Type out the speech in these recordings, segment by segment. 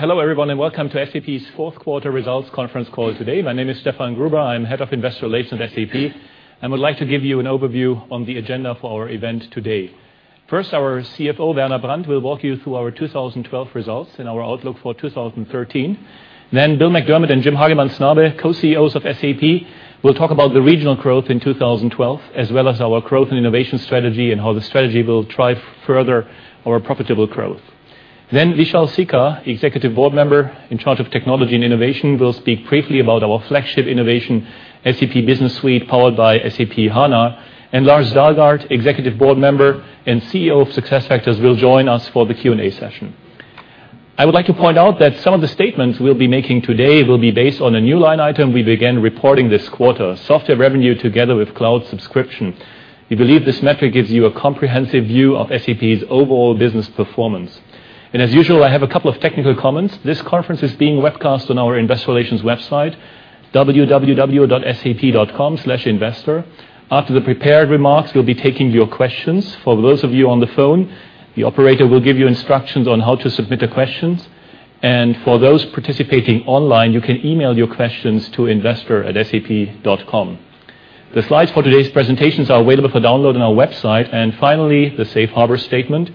Hello everyone, welcome to SAP's fourth quarter results conference call today. My name is Stefan Gruber. I'm Head of Investor Relations at SAP, would like to give you an overview on the agenda for our event today. First, our CFO, Werner Brandt, will walk you through our 2012 results and our outlook for 2013. Bill McDermott and Jim Hagemann Snabe, Co-CEOs of SAP, will talk about the regional growth in 2012, as well as our growth and innovation strategy, how the strategy will drive further our profitable growth. Vishal Sikka, Executive Board Member in charge of technology and innovation, will speak briefly about our flagship innovation, SAP Business Suite, powered by SAP HANA. Lars Dalgaard, Executive Board Member and CEO of SuccessFactors, will join us for the Q&A session. I would like to point out that some of the statements we'll be making today will be based on a new line item we began reporting this quarter, software revenue together with cloud subscription. We believe this metric gives you a comprehensive view of SAP's overall business performance. As usual, I have a couple of technical comments. This conference is being webcast on our investor relations website, www.sap.com/investor. After the prepared remarks, we'll be taking your questions. For those of you on the phone, the operator will give you instructions on how to submit the questions. For those participating online, you can email your questions to investor@sap.com. The slides for today's presentations are available for download on our website. Finally, the safe harbor statement.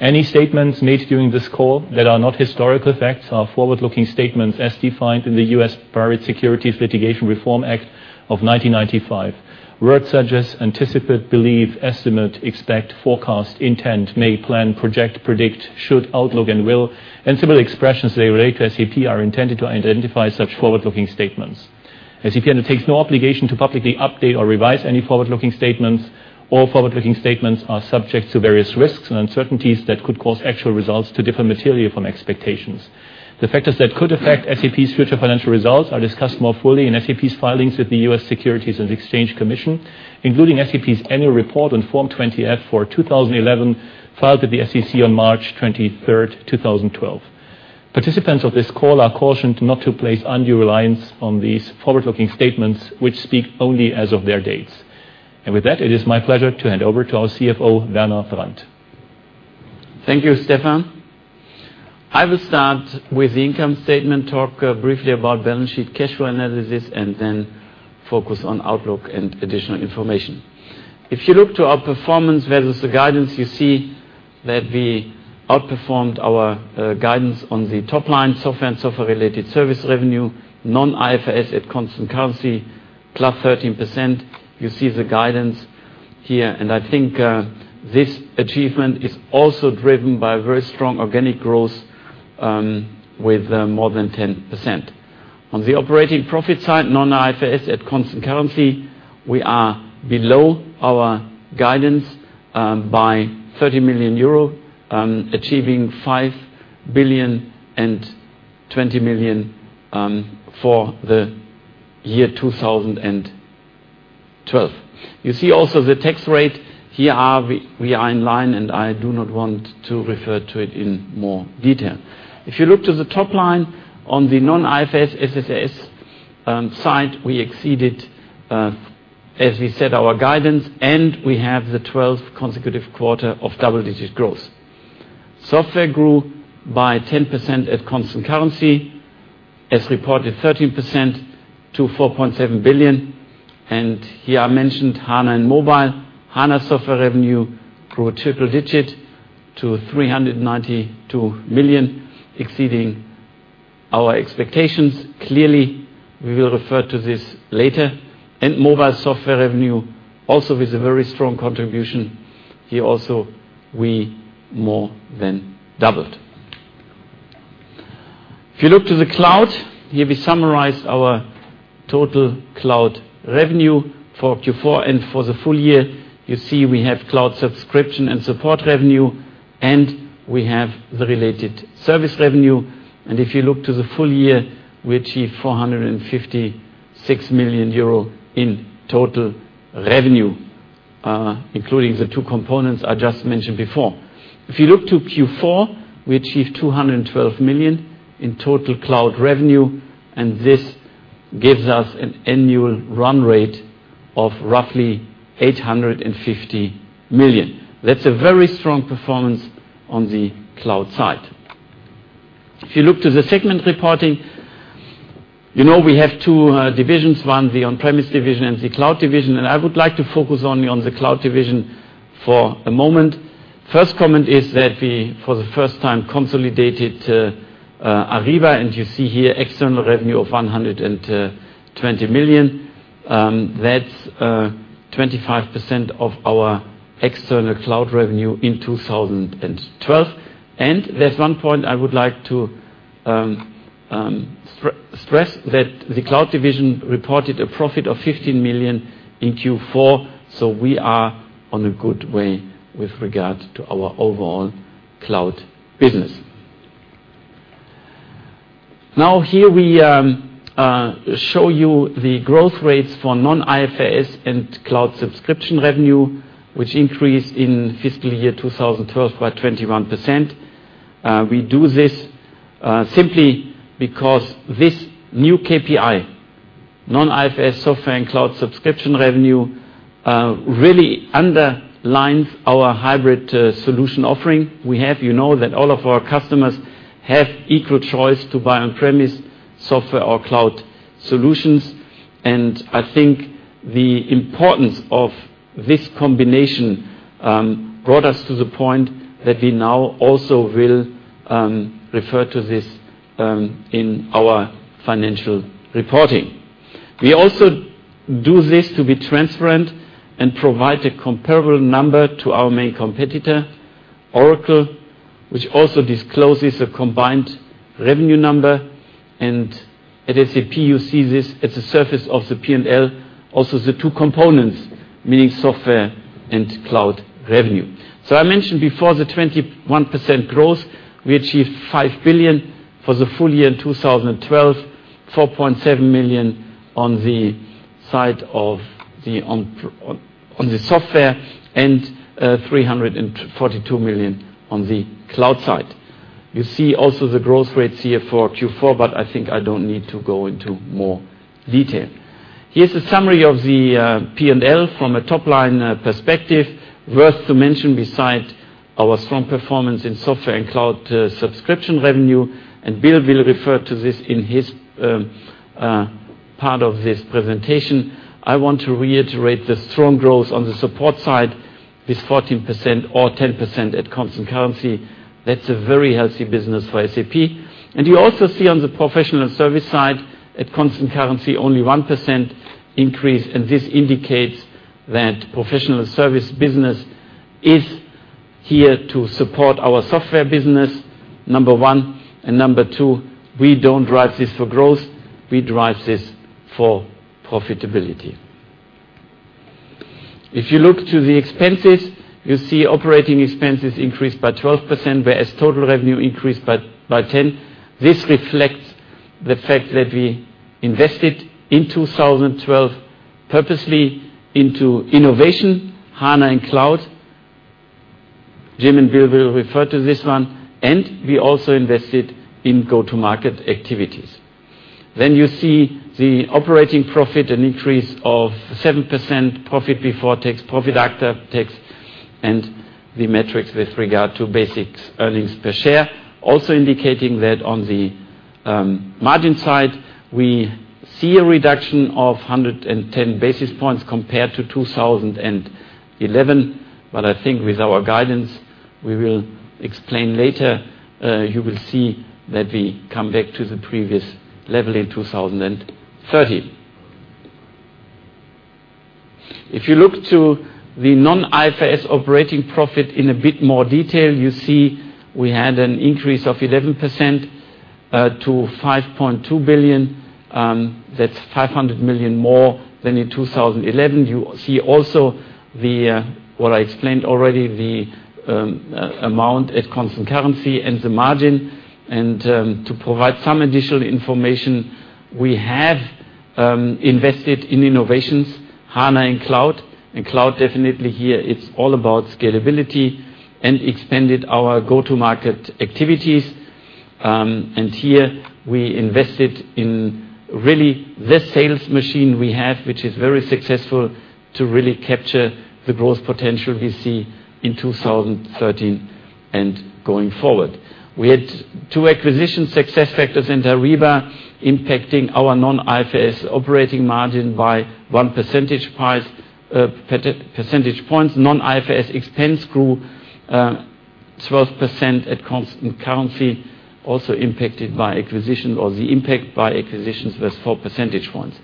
Any statements made during this call that are not historical facts are forward-looking statements as defined in the U.S. Private Securities Litigation Reform Act of 1995. Words such as anticipate, believe, estimate, expect, forecast, intent, may, plan, project, predict, should, outlook, will, similar expressions thereto at SAP are intended to identify such forward-looking statements. SAP undertakes no obligation to publicly update or revise any forward-looking statements. All forward-looking statements are subject to various risks and uncertainties that could cause actual results to differ materially from expectations. The factors that could affect SAP's future financial results are discussed more fully in SAP's filings with the U.S. Securities and Exchange Commission, including SAP's annual report on Form 20-F for 2011, filed with the SEC on March 23rd, 2012. Participants of this call are cautioned not to place undue reliance on these forward-looking statements, which speak only as of their dates. With that, it is my pleasure to hand over to our CFO, Werner Brandt. Thank you, Stefan. I will start with the income statement, talk briefly about balance sheet, cash flow analysis, then focus on outlook and additional information. If you look to our performance versus the guidance, you see that we outperformed our guidance on the top line, software and software-related service revenue, non-IFRS at constant currency, +13%. I think this achievement is also driven by very strong organic growth with more than 10%. On the operating profit side, non-IFRS at constant currency, we are below our guidance by 30 million euro, achieving 5,020 million for 2012. You see also the tax rate. Here, we are in line, I do not want to refer to it in more detail. If you look to the top line on the non-IFRS SSRS side, we exceeded, as we said, our guidance, we have the 12th consecutive quarter of double-digit growth. Software grew by 10% at constant currency, as reported, 13% to 4.7 billion. Here I mentioned HANA and mobile. HANA software revenue grew a triple digit to 392 million, exceeding our expectations. Clearly, we will refer to this later. Mobile software revenue also with a very strong contribution here also, we more than doubled. If you look to the cloud, here we summarized our total cloud revenue for Q4 and for the full year. You see we have cloud subscription and support revenue, we have the related service revenue. If you look to the full year, we achieved 456 million euro in total revenue, including the two components I just mentioned before. If you look to Q4, we achieved 212 million in total cloud revenue, this gives us an annual run rate of roughly 850 million. That's a very strong performance on the cloud side. If you look to the segment reporting, you know we have two divisions, one, the on-premise division, and the cloud division. I would like to focus on the cloud division for a moment. First comment is that we, for the first time, consolidated Ariba, you see here external revenue of 120 million. That's 25% of our external cloud revenue in 2012. There's one point I would like to stress, that the cloud division reported a profit of 15 million in Q4, so we are on a good way with regard to our overall cloud business. Here we show you the growth rates for non-IFRS and cloud subscription revenue, which increased in fiscal year 2012 by 21%. We do this simply because this new KPI Non-IFRS Software and Cloud Subscription Revenue really underlines our hybrid solution offering. We have, you know that all of our customers have equal choice to buy on-premise software or cloud solutions. I think the importance of this combination brought us to the point that we now also will refer to this in our financial reporting. We also do this to be transparent and provide a comparable number to our main competitor, Oracle, which also discloses a combined revenue number. At SAP, you see this at the surface of the P&L, also the two components, meaning software and cloud revenue. I mentioned before the 21% growth, we achieved 5 billion for the full year in 2012, 4.7 million on the side of the software, and 342 million on the cloud side. You see also the growth rates here for Q4, but I think I don't need to go into more detail. Here's a summary of the P&L from a top-line perspective. Worth to mention besides our strong performance in software and cloud subscription revenue, and Bill will refer to this in his part of this presentation, I want to reiterate the strong growth on the support side, with 14% or 10% at constant currency. That's a very healthy business for SAP. You also see on the professional service side, at constant currency, only 1% increase. This indicates that professional service business is here to support our software business, number one, and number two, we don't drive this for growth, we drive this for profitability. If you look to the expenses, you see operating expenses increased by 12%, whereas total revenue increased by 10%. This reflects the fact that we invested, in 2012, purposely into innovation, HANA, and cloud. Jim and Bill will refer to this one. We also invested in go-to-market activities. You see the operating profit, an increase of 7% profit before tax, profit after tax, and the metrics with regard to basics, earnings per share. Also indicating that on the margin side, we see a reduction of 110 basis points compared to 2011. I think with our guidance, we will explain later, you will see that we come back to the previous level in 2013. If you look to the non-IFRS operating profit in a bit more detail, you see we had an increase of 11% to 5.2 billion. That's 500 million more than in 2011. You see also the, what I explained already, the amount at constant currency and the margin. To provide some additional information, we have invested in innovations, HANA and cloud. Cloud definitely here, it's all about scalability and expanded our go-to-market activities. Here we invested in really the sales machine we have, which is very successful to really capture the growth potential we see in 2013 and going forward. We had two acquisitions, SuccessFactors and Ariba, impacting our non-IFRS operating margin by one percentage points. Non-IFRS expense grew 12% at constant currency, also impacted by acquisition or the impact by acquisitions was four percentage points.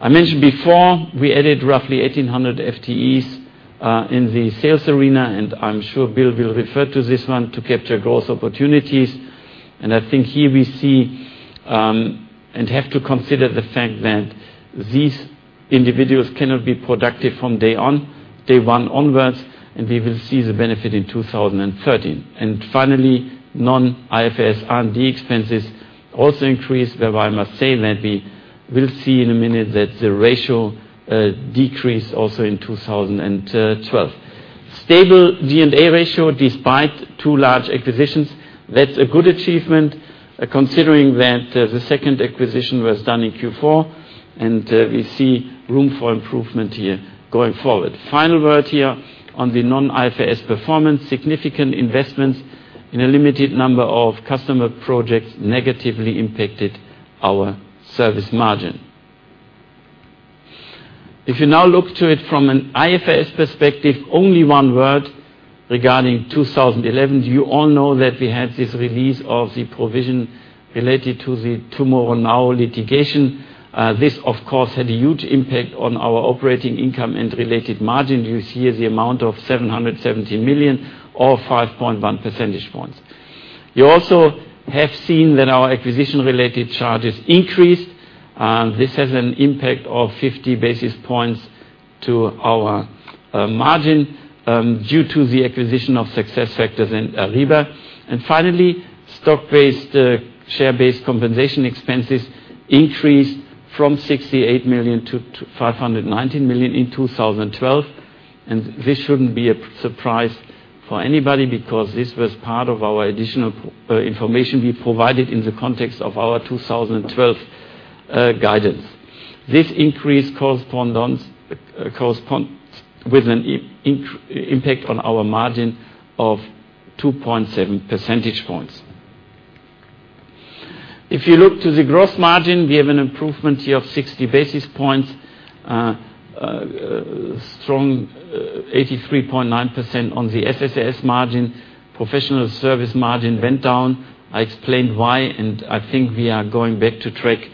I mentioned before, we added roughly 1,800 FTEs in the sales arena, and I'm sure Bill will refer to this one to capture growth opportunities. I think here we see, and have to consider the fact that these individuals cannot be productive from day one onwards, and we will see the benefit in 2013. Finally, non-IFRS R&D expenses also increased, whereby I must say that we will see in a minute that the ratio decreased also in 2012. Stable G&A ratio despite two large acquisitions. That's a good achievement, considering that the second acquisition was done in Q4, and we see room for improvement here going forward. Final word here on the non-IFRS performance, significant investments in a limited number of customer projects negatively impacted our service margin. If you now look to it from an IFRS perspective, only one word regarding 2011. You all know that we had this release of the provision related to the TomorrowNow litigation. This, of course, had a huge impact on our operating income and related margin. You see the amount of 717 million or 5.1 percentage points. You also have seen that our acquisition-related charges increased. This has an impact of 50 basis points to our margin due to the acquisition of SuccessFactors and Ariba. Finally, stock-based, share-based compensation expenses increased from 68 million to 519 million in 2012. This shouldn't be a surprise for anybody because this was part of our additional information we provided in the context of our 2012 guidance. This increase corresponds with an impact on our margin of 2.7 percentage points. If you look to the gross margin, we have an improvement here of 60 basis points, strong 83.9% on the SSRS margin. Professional service margin went down. I explained why. I think we are going back to track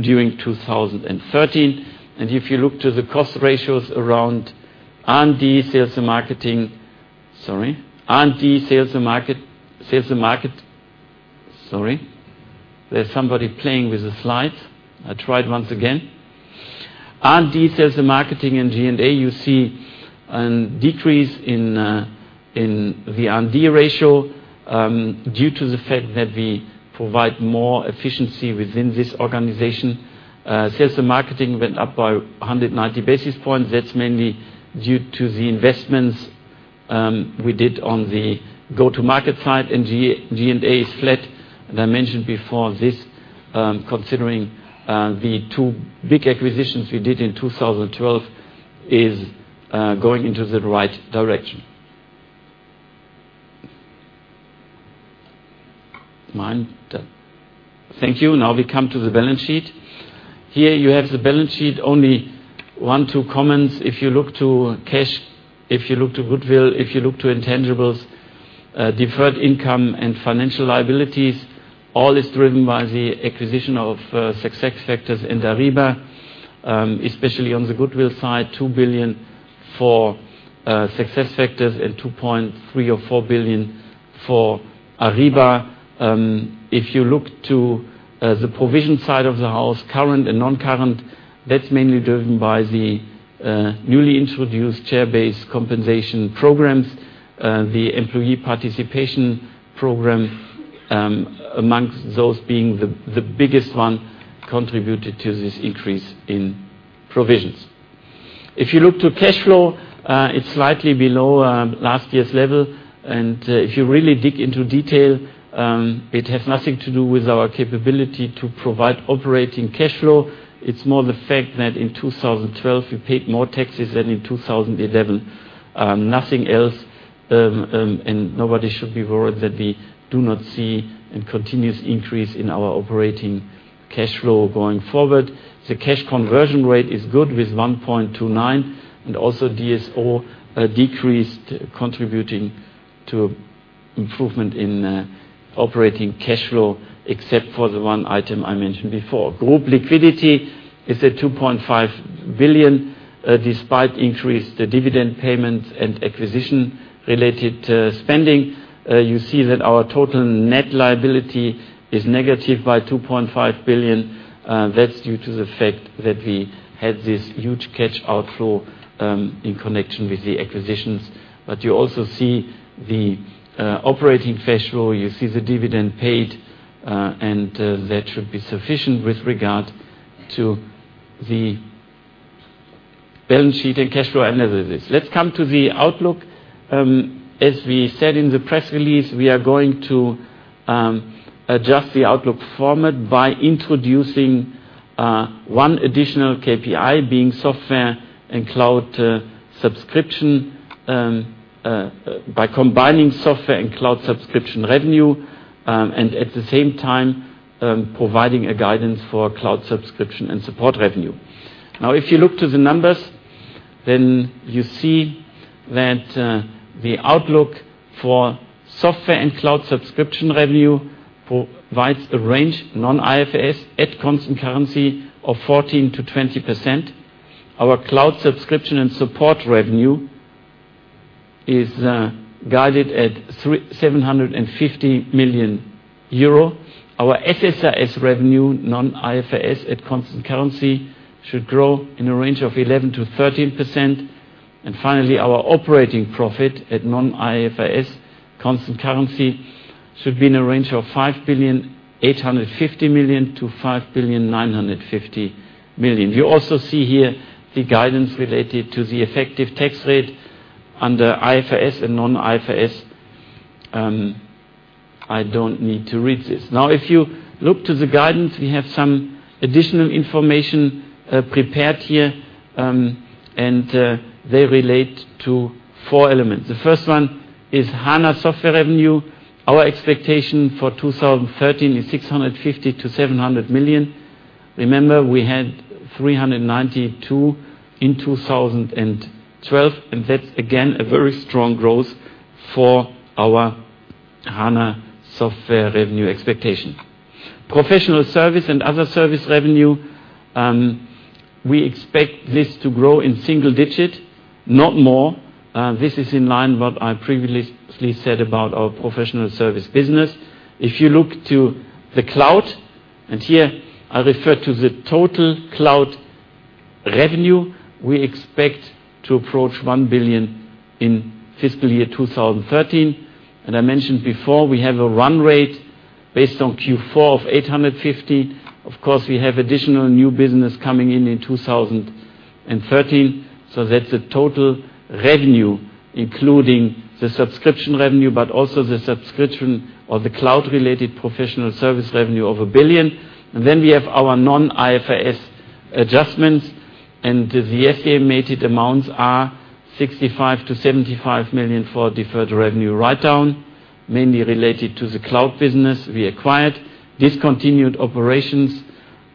during 2013. If you look to the cost ratios around R&D, sales, and marketing. Sorry, R&D, sales and marketing. Sorry. There's somebody playing with the slides. I try it once again. R&D, sales and marketing, and G&A, you see a decrease in the R&D ratio due to the fact that we provide more efficiency within this organization. Sales and marketing went up by 190 basis points. That's mainly due to the investments we did on the go-to-market side. G&A is flat. I mentioned before this, considering the two big acquisitions we did in 2012, is going into the right direction. Thank you. Now we come to the balance sheet. Here you have the balance sheet. Only one, two comments. If you look to cash, if you look to goodwill, if you look to intangibles, deferred income and financial liabilities, all is driven by the acquisition of SuccessFactors and Ariba, especially on the goodwill side, 2 billion for SuccessFactors and 2.3 billion or 4 billion for Ariba. If you look to the provision side of the house, current and non-current, that's mainly driven by the newly introduced share-based compensation programs, the employee participation program, amongst those being the biggest one, contributed to this increase in provisions. If you look to cash flow, it's slightly below last year's level. If you really dig into detail, it has nothing to do with our capability to provide operating cash flow. It's more the fact that in 2012, we paid more taxes than in 2011. Nothing else. Nobody should be worried that we do not see a continuous increase in our operating cash flow going forward. The cash conversion rate is good with 1.29. Also DSO decreased, contributing to improvement in operating cash flow, except for the one item I mentioned before. Group liquidity is at 2.5 billion, despite increased dividend payments and acquisition-related spending. You see that our total net liability is negative by 2.5 billion. That's due to the fact that we had this huge cash outflow in connection with the acquisitions. You also see the operating cash flow, you see the dividend paid, that should be sufficient with regard to the balance sheet and cash flow analysis. Let's come to the outlook. As we said in the press release, we are going to adjust the outlook format by introducing one additional KPI, being software and cloud subscription, by combining software and cloud subscription revenue, at the same time, providing a guidance for cloud subscription and support revenue. If you look to the numbers, you see that the outlook for software and cloud subscription revenue provides a range, non-IFRS, at constant currency, of 14%-20%. Our cloud subscription and support revenue is guided at 750 million euro. Our SSRS revenue, non-IFRS at constant currency, should grow in a range of 11%-13%. Finally, our operating profit at non-IFRS constant currency should be in a range of 5.85 billion-5.95 billion. You also see here the guidance related to the effective tax rate under IFRS and non-IFRS. I don't need to read this. If you look to the guidance, we have some additional information prepared here, they relate to four elements. The first one is SAP HANA software revenue. Our expectation for 2013 is 650 million-700 million. Remember, we had 392 million in 2012, that's, again, a very strong growth for our SAP HANA software revenue expectation. Professional service and other service revenue, we expect this to grow in single-digit, not more. This is in line what I previously said about our professional service business. If you look to the cloud, here I refer to the total cloud revenue, we expect to approach 1 billion in FY 2013. I mentioned before, we have a run rate based on Q4 of 850 million. Of course, we have additional new business coming in 2013. That's the total revenue, including the subscription revenue, but also the subscription of the cloud-related professional service revenue of 1 billion. We have our non-IFRS adjustments, the estimated amounts are 65 million-75 million for deferred revenue write-down, mainly related to the cloud business we acquired. Discontinued operations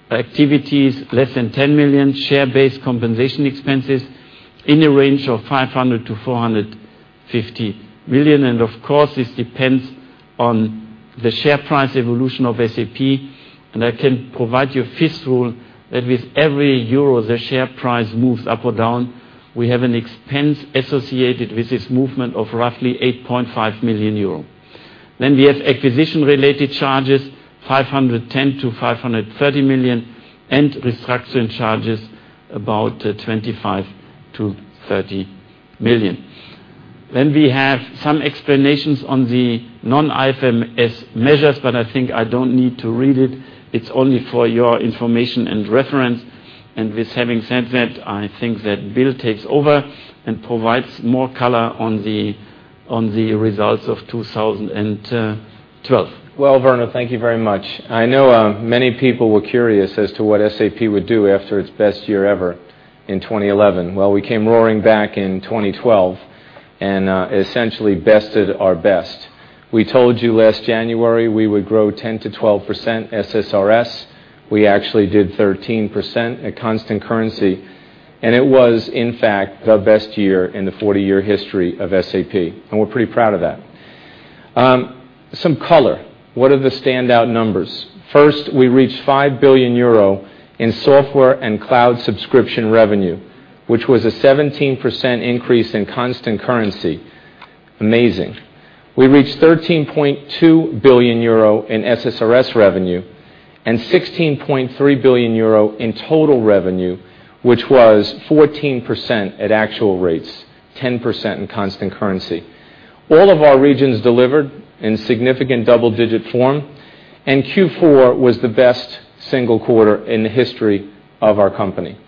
activities, less than 10 million. Share-based compensation expenses in the range of 500 million-450 million. Of course, this depends on the share price evolution of SAP. I can provide you a first rule, that with every euro the share price moves up or down, we have an expense associated with this movement of roughly 8.5 million euro. We have acquisition-related charges, 510 million-530 million, restructuring charges, about 25 million-30 million. We have some explanations on the non-IFRS measures, I think I don't need to read it. It's only for your information and reference. With having said that, I think that Bill takes over and provides more color on the results of 2012. Well, Werner, thank you very much. I know many people were curious as to what SAP would do after its best year ever in 2011. Well, we came roaring back in 2012 and essentially bested our best. We told you last January we would grow 10%-12% SSRS. We actually did 13% at constant currency, and it was in fact the best year in the 40-year history of SAP, and we're pretty proud of that. Some color. What are the standout numbers? First, we reached 5 billion euro in software and cloud subscription revenue, which was a 17% increase in constant currency. Amazing. We reached 13.2 billion euro in SSRS revenue and 16.3 billion euro in total revenue, which was 14% at actual rates, 10% in constant currency. All of our regions delivered in significant double-digit form, and Q4 was the best single quarter in the history of our company.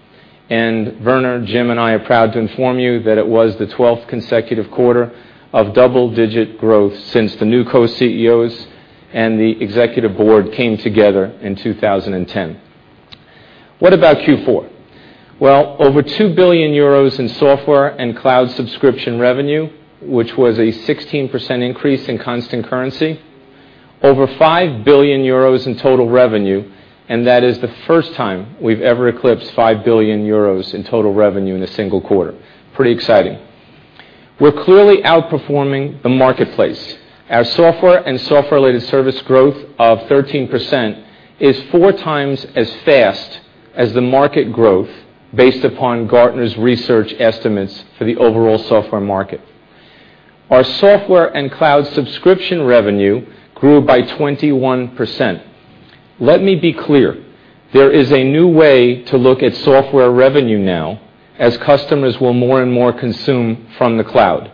Werner, Jim, and I are proud to inform you that it was the 12th consecutive quarter of double-digit growth since the new co-CEOs and the executive board came together in 2010. What about Q4? Well, over 2 billion euros in software and cloud subscription revenue, which was a 16% increase in constant currency. Over 5 billion euros in total revenue, that is the first time we've ever eclipsed 5 billion euros in total revenue in a single quarter. Pretty exciting. We're clearly outperforming the marketplace. Our software and software-related service growth of 13% is four times as fast as the market growth based upon Gartner's research estimates for the overall software market. Our software and cloud subscription revenue grew by 21%. Let me be clear. There is a new way to look at software revenue now as customers will more and more consume from the cloud.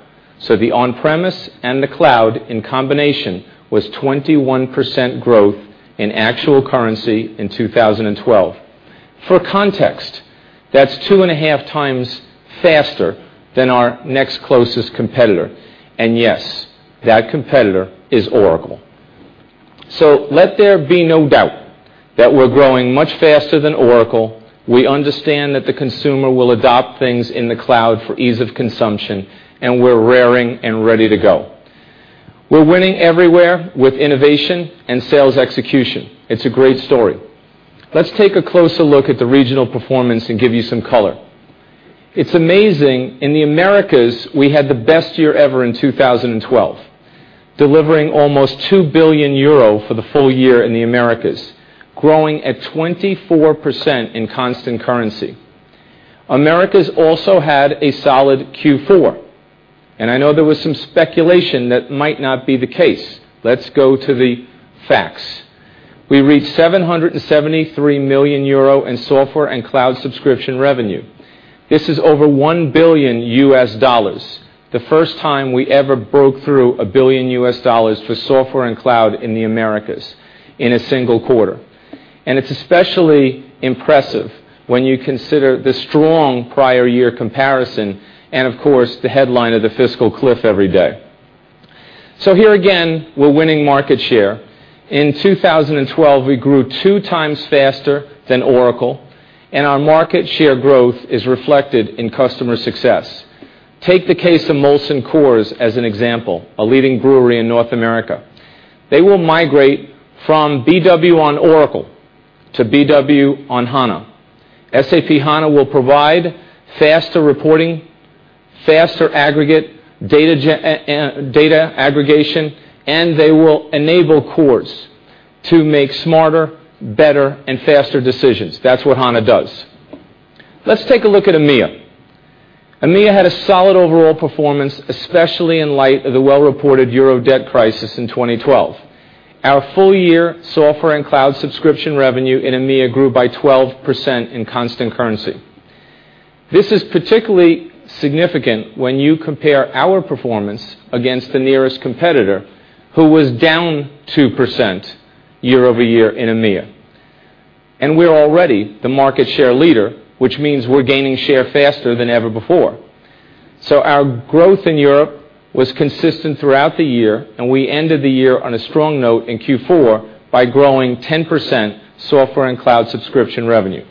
The on-premise and the cloud in combination was 21% growth in actual currency in 2012. For context, that's two and a half times faster than our next closest competitor. Yes, that competitor is Oracle. Let there be no doubt that we're growing much faster than Oracle. We understand that the consumer will adopt things in the cloud for ease of consumption, and we're raring and ready to go. We're winning everywhere with innovation and sales execution. It's a great story. Let's take a closer look at the regional performance and give you some color. It's amazing, in the Americas, we had the best year ever in 2012, delivering almost 2 billion euro for the full year in the Americas, growing at 24% in constant currency. Americas also had a solid Q4, and I know there was some speculation that might not be the case. Let's go to the facts. We reached 773 million euro in software and cloud subscription revenue. This is over $1 billion, the first time we ever broke through a billion US dollars for software and cloud in the Americas in a single quarter. It's especially impressive when you consider the strong prior year comparison, and of course, the headline of the fiscal cliff every day. Here again, we're winning market share. In 2012, we grew two times faster than Oracle, and our market share growth is reflected in customer success. Take the case of Molson Coors as an example, a leading brewery in North America. They will migrate from BW on Oracle to BW on HANA. SAP HANA will provide faster reporting, faster aggregate data aggregation, and they will enable Coors to make smarter, better, and faster decisions. That's what HANA does. Let's take a look at EMEA. EMEA had a solid overall performance, especially in light of the well-reported euro debt crisis in 2012. Our full-year software and cloud subscription revenue in EMEA grew by 12% in constant currency. This is particularly significant when you compare our performance against the nearest competitor who was down 2% year-over-year in EMEA. We're already the market share leader, which means we're gaining share faster than ever before. Our growth in Europe was consistent throughout the year, and we ended the year on a strong note in Q4 by growing 10% software and cloud subscription revenue.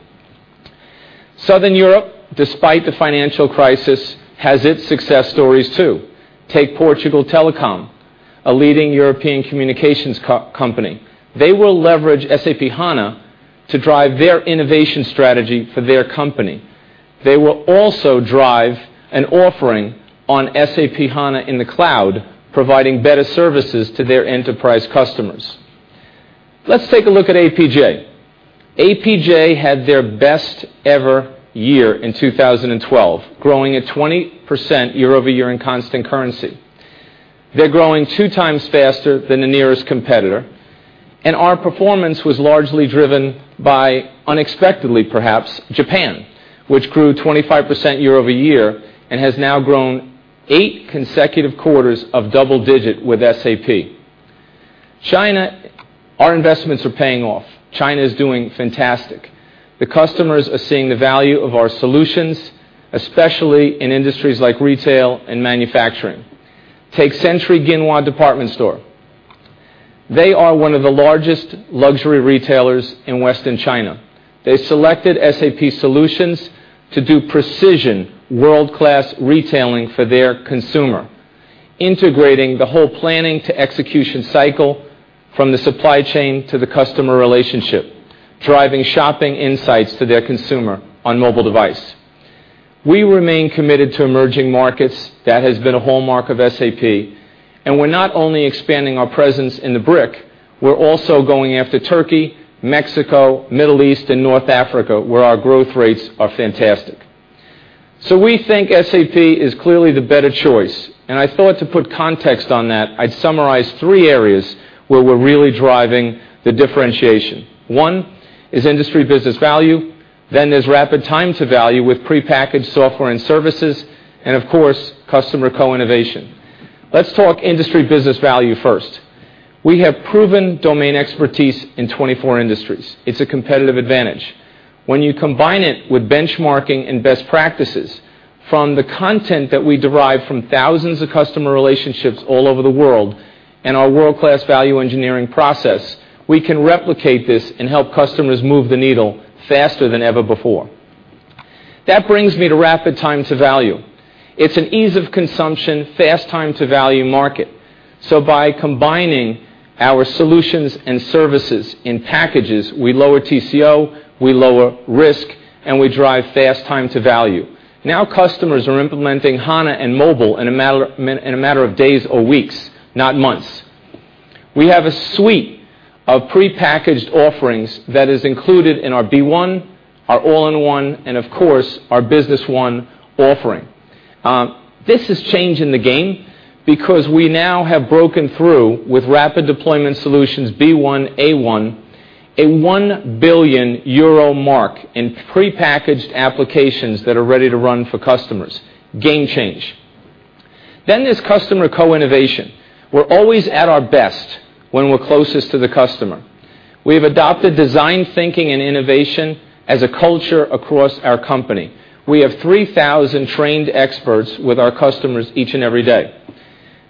Southern Europe, despite the financial crisis, has its success stories, too. Take Portugal Telecom, a leading European communications company. They will leverage SAP HANA to drive their innovation strategy for their company. They will also drive an offering on SAP HANA in the cloud, providing better services to their enterprise customers. Let's take a look at APJ. APJ had their best ever year in 2012, growing at 20% year-over-year in constant currency. They're growing two times faster than the nearest competitor, and our performance was largely driven by, unexpectedly perhaps, Japan, which grew 25% year-over-year and has now grown eight consecutive quarters of double digit with SAP. China, our investments are paying off. China is doing fantastic. The customers are seeing the value of our solutions, especially in industries like retail and manufacturing. Take Century Ginwa Shopping Mall. They are one of the largest luxury retailers in Western China. They selected SAP solutions to do precision world-class retailing for their consumer, integrating the whole planning to execution cycle from the supply chain to the customer relationship, driving shopping insights to their consumer on mobile device. We remain committed to emerging markets. That has been a hallmark of SAP. We're not only expanding our presence in the BRIC, we're also going after Turkey, Mexico, Middle East, and North Africa, where our growth rates are fantastic. We think SAP is clearly the better choice, and I thought to put context on that, I'd summarize three areas where we're really driving the differentiation. One is industry business value, then there's rapid time to value with prepackaged software and services, and of course, customer co-innovation. Let's talk industry business value first. We have proven domain expertise in 24 industries. It's a competitive advantage. When you combine it with benchmarking and best practices from the content that we derive from thousands of customer relationships all over the world and our world-class value engineering process, we can replicate this and help customers move the needle faster than ever before. That brings me to rapid time to value. It's an ease of consumption, fast time to value market. By combining our solutions and services in packages, we lower TCO, we lower risk, and we drive fast time to value. Now, customers are implementing HANA and mobile in a matter of days or weeks, not months. We have a suite of prepackaged offerings that is included in our B1, our All-in-One, and of course, our Business One offering. This is changing the game because we now have broken through with rapid deployment solutions B1, A1, a 1 billion euro mark in prepackaged applications that are ready to run for customers. Game change. There's customer co-innovation. We're always at our best when we're closest to the customer. We have adopted design thinking and innovation as a culture across our company. We have 3,000 trained experts with our customers each and every day.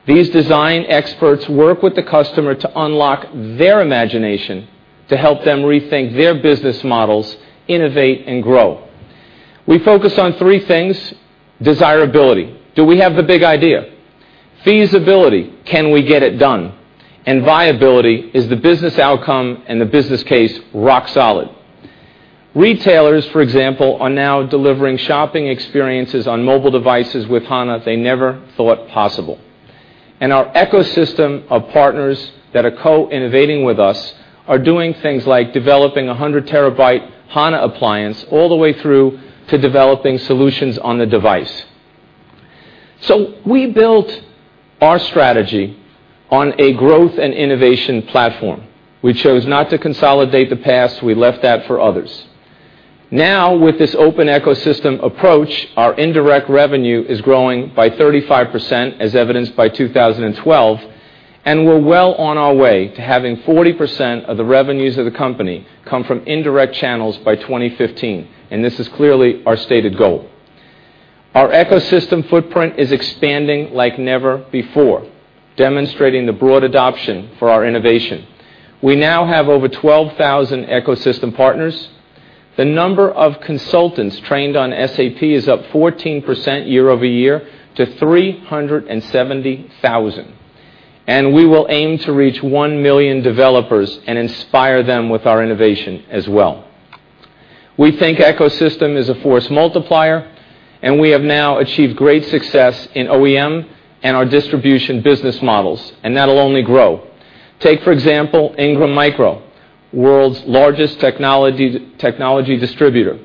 These design experts work with the customer to unlock their imagination, to help them rethink their business models, innovate, and grow. We focus on three things. Desirability, do we have the big idea? Feasibility, can we get it done? Viability, is the business outcome and the business case rock solid? Retailers, for example, are now delivering shopping experiences on mobile devices with HANA they never thought possible. Our ecosystem of partners that are co-innovating with us are doing things like developing a 100 TB HANA appliance all the way through to developing solutions on the device. We built our strategy on a growth and innovation platform. We chose not to consolidate the past. We left that for others. With this open ecosystem approach, our indirect revenue is growing by 35%, as evidenced by 2012. We're well on our way to having 40% of the revenues of the company come from indirect channels by 2015. This is clearly our stated goal. Our ecosystem footprint is expanding like never before, demonstrating the broad adoption for our innovation. We now have over 12,000 ecosystem partners. The number of consultants trained on SAP is up 14% year-over-year to 370,000. We will aim to reach 1 million developers and inspire them with our innovation as well. We think ecosystem is a force multiplier. We have now achieved great success in OEM and our distribution business models. That'll only grow. Take, for example, Ingram Micro, world's largest technology distributor.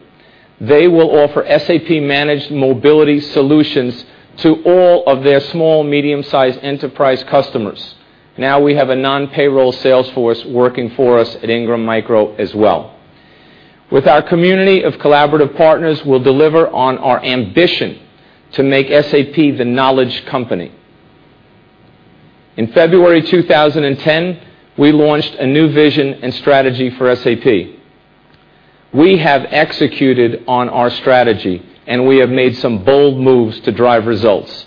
They will offer SAP-managed mobility solutions to all of their small, medium-sized enterprise customers. We have a non-payroll sales force working for us at Ingram Micro as well. With our community of collaborative partners, we'll deliver on our ambition to make SAP the knowledge company. In February 2010, we launched a new vision and strategy for SAP. We have executed on our strategy. We have made some bold moves to drive results.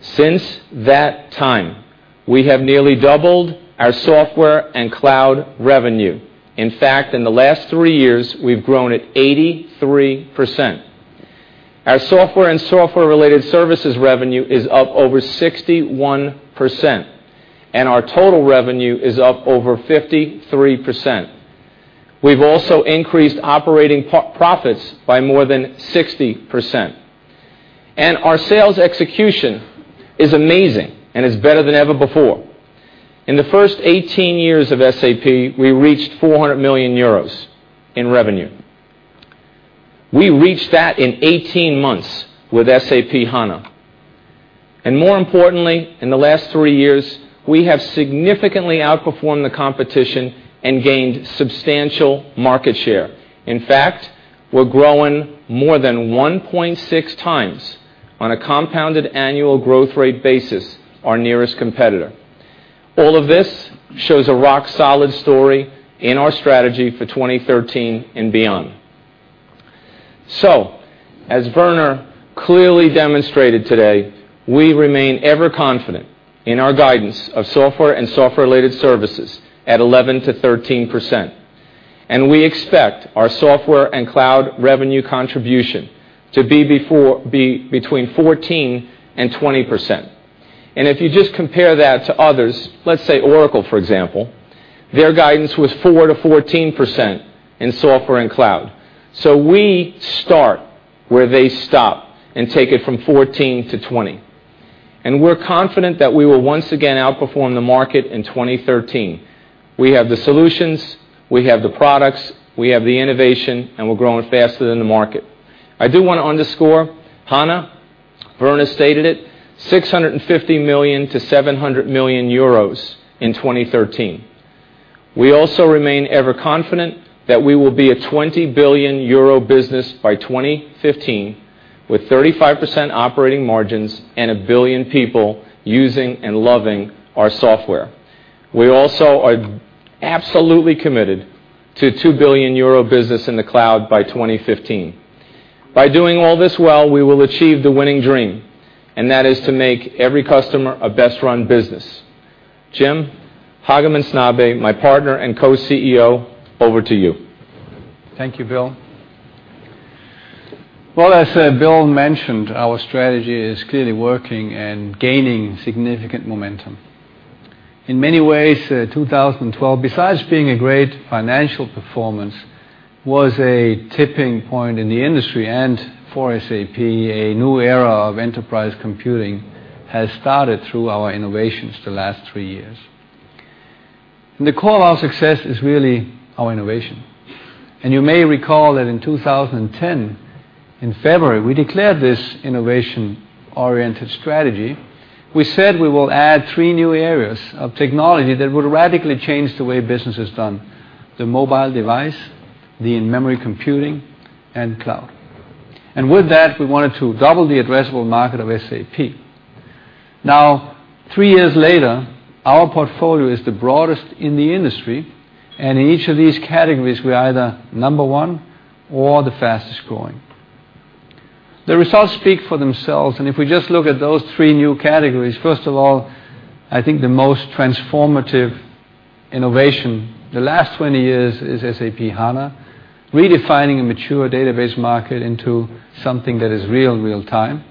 Since that time, we have nearly doubled our software and cloud revenue. In fact, in the last three years, we've grown at 83%. Our software and software-related services revenue is up over 61%. Our total revenue is up over 53%. We've also increased operating profits by more than 60%. Our sales execution is amazing, and is better than ever before. In the first 18 years of SAP, we reached 400 million euros in revenue. We reached that in 18 months with SAP HANA. More importantly, in the last three years, we have significantly outperformed the competition and gained substantial market share. In fact, we're growing more than 1.6 times on a compounded annual growth rate basis, our nearest competitor. All of this shows a rock-solid story in our strategy for 2013 and beyond. As Werner clearly demonstrated today, we remain ever confident in our guidance of software and software-related services at 11%-13%. We expect our software and cloud revenue contribution to be between 14% and 20%. If you just compare that to others, let's say Oracle, for example, their guidance was 4%-14% in software and cloud. We start where they stop and take it from 14%-20%. We're confident that we will once again outperform the market in 2013. We have the solutions, we have the products, we have the innovation, and we're growing faster than the market. I do want to underscore HANA. Werner stated it, 650 million to 700 million euros in 2013. We also remain ever confident that we will be a 20 billion euro business by 2015, with 35% operating margins and a billion people using and loving our software. We also are absolutely committed to a 2 billion euro business in the cloud by 2015. By doing all this well, we will achieve the winning dream, and that is to make every customer a best-run business. Jim Hagemann Snabe, my partner and co-CEO, over to you. Thank you, Bill. Well, as Bill mentioned, our strategy is clearly working and gaining significant momentum. In many ways, 2012, besides being a great financial performance, was a tipping point in the industry and for SAP. A new era of enterprise computing has started through our innovations the last three years. The core of our success is really our innovation. You may recall that in 2010, in February, we declared this innovation-oriented strategy. We said we will add three new areas of technology that would radically change the way business is done: the mobile device, the in-memory computing, and cloud. With that, we wanted to double the addressable market of SAP. Now, three years later, our portfolio is the broadest in the industry, and in each of these categories, we're either number one or the fastest-growing. The results speak for themselves. If we just look at those three new categories, first of all, I think the most transformative innovation the last 20 years is SAP HANA, redefining a mature database market into something that is real time.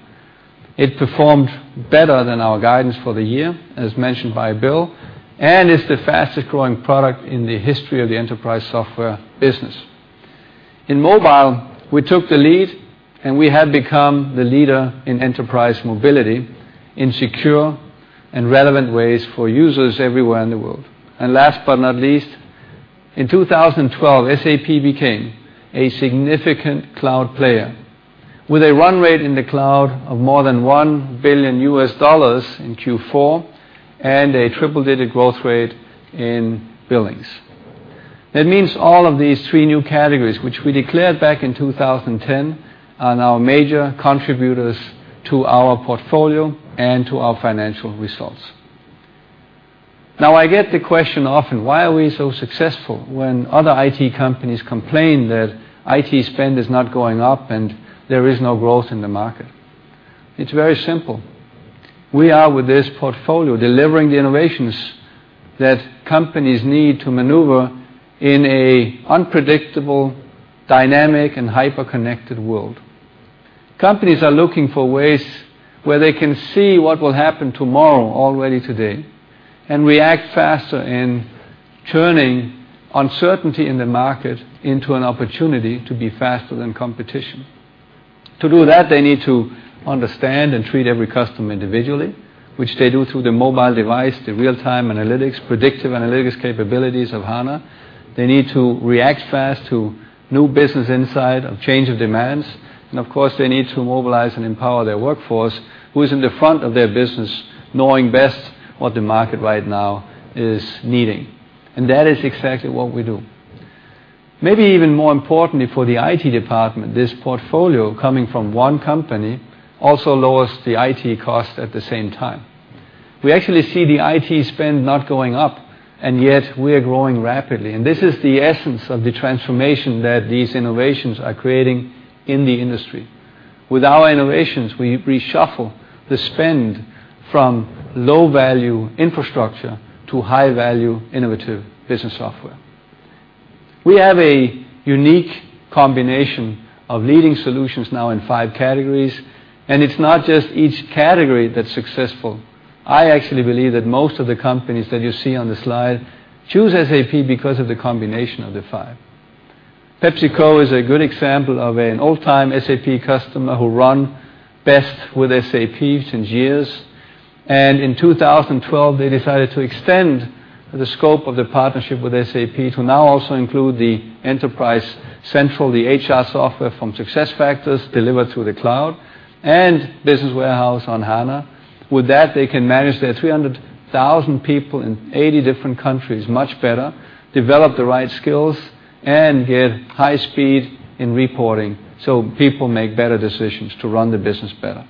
It performed better than our guidance for the year, as mentioned by Bill, and it's the fastest-growing product in the history of the enterprise software business. In mobile, we took the lead, and we have become the leader in enterprise mobility in secure and relevant ways for users everywhere in the world. Last but not least, in 2012, SAP became a significant cloud player with a run rate in the cloud of more than $1 billion in Q4, and a triple-digit growth rate in billings. That means all of these three new categories, which we declared back in 2010, are now major contributors to our portfolio and to our financial results. Now, I get the question often, why are we so successful when other IT companies complain that IT spend is not going up and there is no growth in the market? It's very simple. We are, with this portfolio, delivering the innovations that companies need to maneuver in an unpredictable, dynamic, and hyperconnected world. Companies are looking for ways where they can see what will happen tomorrow, already today, and react faster in turning uncertainty in the market into an opportunity to be faster than competition. To do that, they need to understand and treat every customer individually, which they do through the mobile device, the real-time analytics, predictive analytics capabilities of HANA. They need to react fast to new business insight of change of demands. Of course, they need to mobilize and empower their workforce, who is in the front of their business knowing best what the market right now is needing. That is exactly what we do. Maybe even more importantly for the IT department, this portfolio coming from one company also lowers the IT cost at the same time. We actually see the IT spend not going up, and yet we are growing rapidly, and this is the essence of the transformation that these innovations are creating in the industry. With our innovations, we reshuffle the spend from low-value infrastructure to high-value innovative business software. We have a unique combination of leading solutions now in five categories. It's not just each category that's successful. I actually believe that most of the companies that you see on the slide choose SAP because of the combination of the five. PepsiCo is a good example of an all-time SAP customer who run best with SAP since years. In 2012, they decided to extend the scope of the partnership with SAP to now also include the SuccessFactors Employee Central, the HR software from SuccessFactors, delivered through the cloud, and SAP Business Warehouse on SAP HANA. With that, they can manage their 300,000 people in 80 different countries much better, develop the right skills, and get high speed in reporting so people make better decisions to run the business better.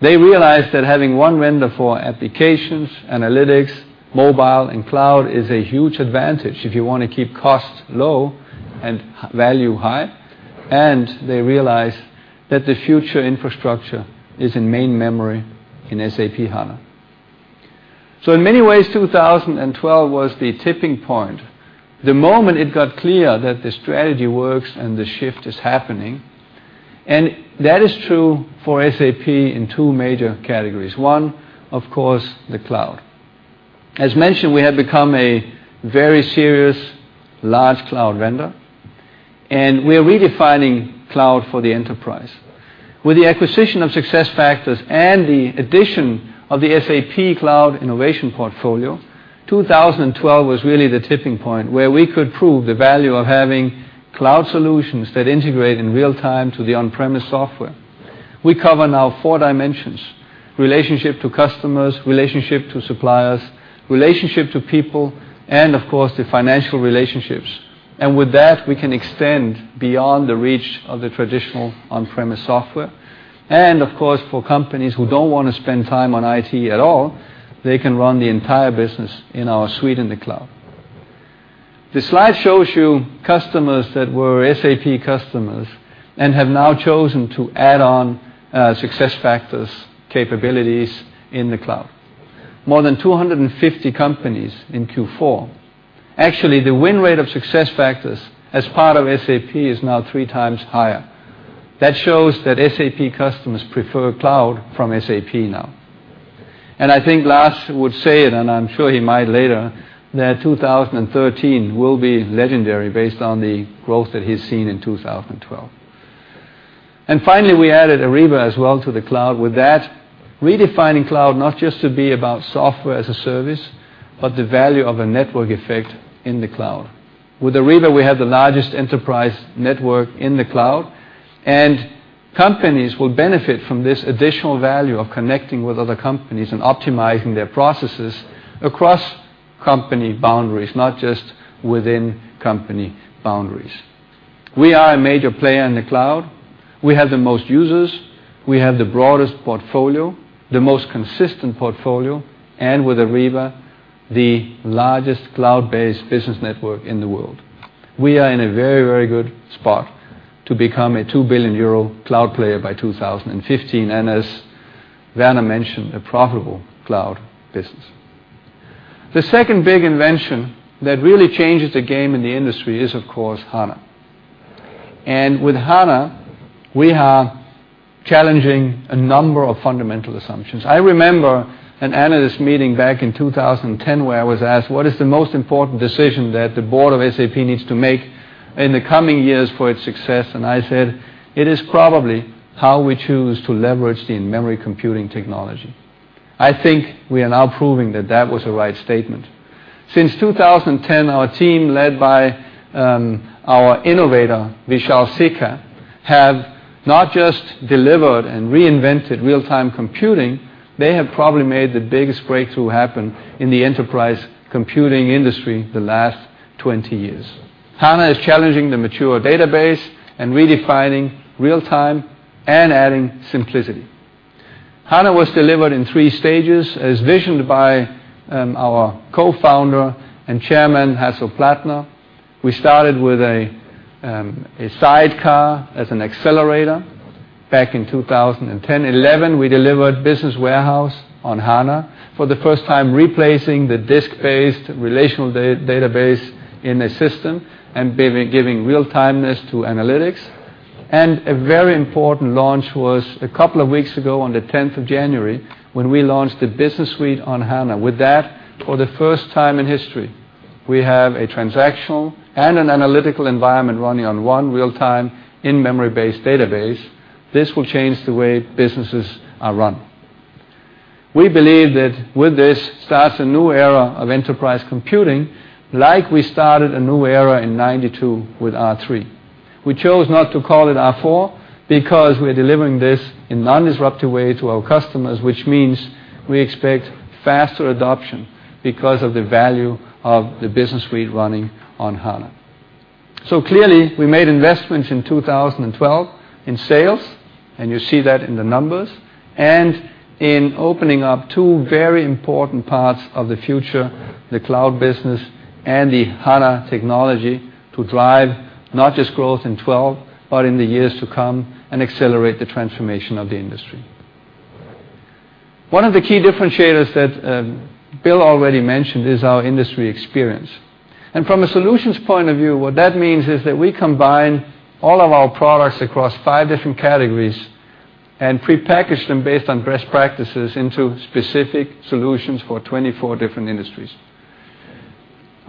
They realized that having one vendor for applications, analytics, mobile, and cloud is a huge advantage if you want to keep costs low and value high, and they realize that the future infrastructure is in main memory in SAP HANA. In many ways, 2012 was the tipping point. The moment it got clear that the strategy works and the shift is happening, and that is true for SAP in two major categories. One, of course, the cloud. As mentioned, we have become a very serious large cloud vendor, and we are redefining cloud for the enterprise. With the acquisition of SuccessFactors and the addition of the SAP cloud innovation portfolio, 2012 was really the tipping point where we could prove the value of having cloud solutions that integrate in real time to the on-premise software. We cover now four dimensions, relationship to customers, relationship to suppliers, relationship to people, and of course, the financial relationships. With that, we can extend beyond the reach of the traditional on-premise software. Of course, for companies who don't want to spend time on IT at all, they can run the entire business in our suite in the cloud. This slide shows you customers that were SAP customers and have now chosen to add on SuccessFactors capabilities in the cloud. More than 250 companies in Q4. Actually, the win rate of SuccessFactors as part of SAP is now three times higher. That shows that SAP customers prefer cloud from SAP now. I think Lars would say it, and I'm sure he might later, that 2013 will be legendary based on the growth that he's seen in 2012. Finally, we added Ariba as well to the cloud. With that, redefining cloud not just to be about software as a service, but the value of a network effect in the cloud. With Ariba, we have the largest enterprise network in the cloud, and companies will benefit from this additional value of connecting with other companies and optimizing their processes across company boundaries, not just within company boundaries. We are a major player in the cloud. We have the most users, we have the broadest portfolio, the most consistent portfolio, and with Ariba, the largest cloud-based business network in the world. We are in a very good spot to become a 2 billion euro cloud player by 2015, and as Werner mentioned, a profitable cloud business. With HANA, we are challenging a number of fundamental assumptions. I remember an analyst meeting back in 2010 where I was asked, "What is the most important decision that the board of SAP needs to make in the coming years for its success?" I said, "It is probably how we choose to leverage the in-memory computing technology." I think we are now proving that that was a right statement. Since 2010, our team, led by our innovator, Vishal Sikka, have not just delivered and reinvented real-time computing, they have probably made the biggest breakthrough happen in the enterprise computing industry the last 20 years. HANA is challenging the mature database and redefining real time and adding simplicity. HANA was delivered in 3 stages as visioned by our co-founder and chairman, Hasso Plattner. We started with a sidecar as an accelerator back in 2010. 2011, we delivered SAP Business Warehouse on HANA for the first time, replacing the disk-based relational database in a system and giving real-timeness to analytics. A very important launch was a couple of weeks ago, on the 10th of January, when we launched the SAP Business Suite on HANA. With that, for the first time in history, we have a transactional and an analytical environment running on one real-time in-memory-based database. This will change the way businesses are run. We believe that with this starts a new era of enterprise computing, like we started a new era in 1992 with SAP R/3. We chose not to call it R/4 because we're delivering this in a non-disruptive way to our customers, which means we expect faster adoption because of the value of the business we're running on HANA. Clearly, we made investments in 2012 in sales, and you see that in the numbers, and in opening up two very important parts of the future, the cloud business, and the HANA technology to drive not just growth in 2012, but in the years to come, and accelerate the transformation of the industry. One of the key differentiators that Bill already mentioned is our industry experience. From a solutions point of view, what that means is that we combine all of our products across 5 different categories and prepackage them based on best practices into specific solutions for 24 different industries.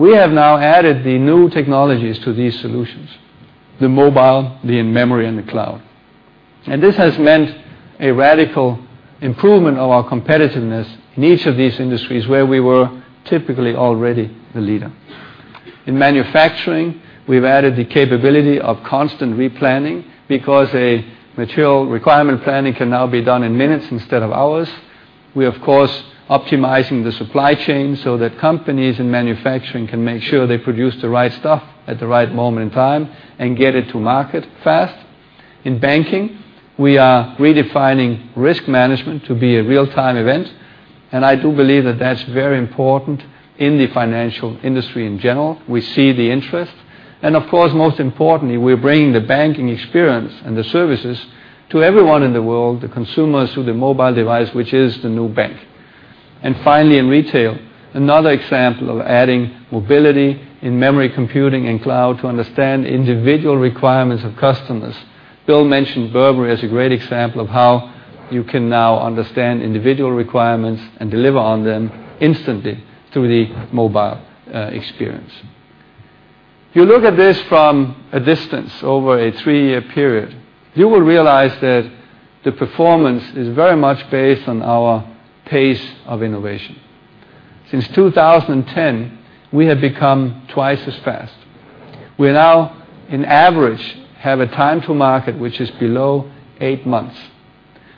We have now added the new technologies to these solutions, the mobile, the in-memory, and the cloud. This has meant a radical improvement of our competitiveness in each of these industries where we were typically already the leader. In manufacturing, we've added the capability of constant replanning, because a material requirement planning can now be done in minutes instead of hours. We're, of course, optimizing the supply chain so that companies in manufacturing can make sure they produce the right stuff at the right moment in time and get it to market fast. In banking, we are redefining risk management to be a real-time event, and I do believe that that's very important in the financial industry in general. We see the interest. Of course, most importantly, we're bringing the banking experience and the services to everyone in the world, the consumers with a mobile device, which is the new bank. Finally, in retail, another example of adding mobility in memory computing and cloud to understand individual requirements of customers. Bill mentioned Burberry as a great example of how you can now understand individual requirements and deliver on them instantly through the mobile experience. If you look at this from a distance over a three-year period, you will realize that the performance is very much based on our pace of innovation. Since 2010, we have become twice as fast. We now, on average, have a time to market which is below eight months.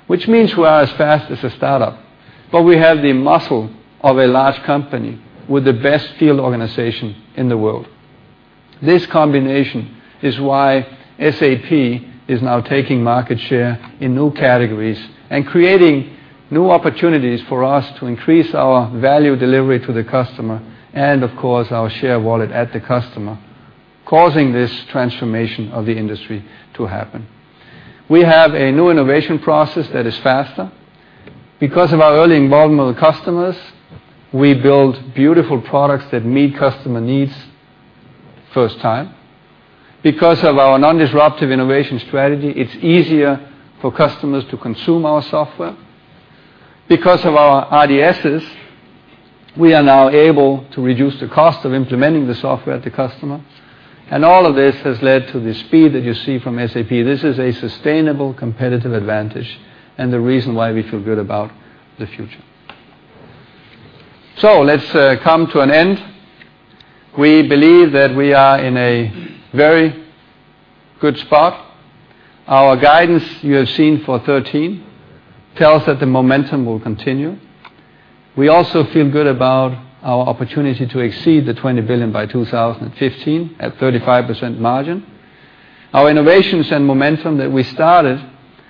Which means we are as fast as a startup, but we have the muscle of a large company with the best field organization in the world. This combination is why SAP is now taking market share in new categories and creating new opportunities for us to increase our value delivery to the customer and, of course, our share wallet at the customer, causing this transformation of the industry to happen. We have a new innovation process that is faster. Because of our early involvement with the customers, we build beautiful products that meet customer needs first time. Because of our non-disruptive innovation strategy, it's easier for customers to consume our software. Because of our RDSs, we are now able to reduce the cost of implementing the software to customer. All of this has led to the speed that you see from SAP. This is a sustainable competitive advantage and the reason why we feel good about the future. Let's come to an end. We believe that we are in a very good spot. Our guidance you have seen for 2013 tells that the momentum will continue. We also feel good about our opportunity to exceed the $20 billion by 2015 at 35% margin. Our innovations and momentum that we started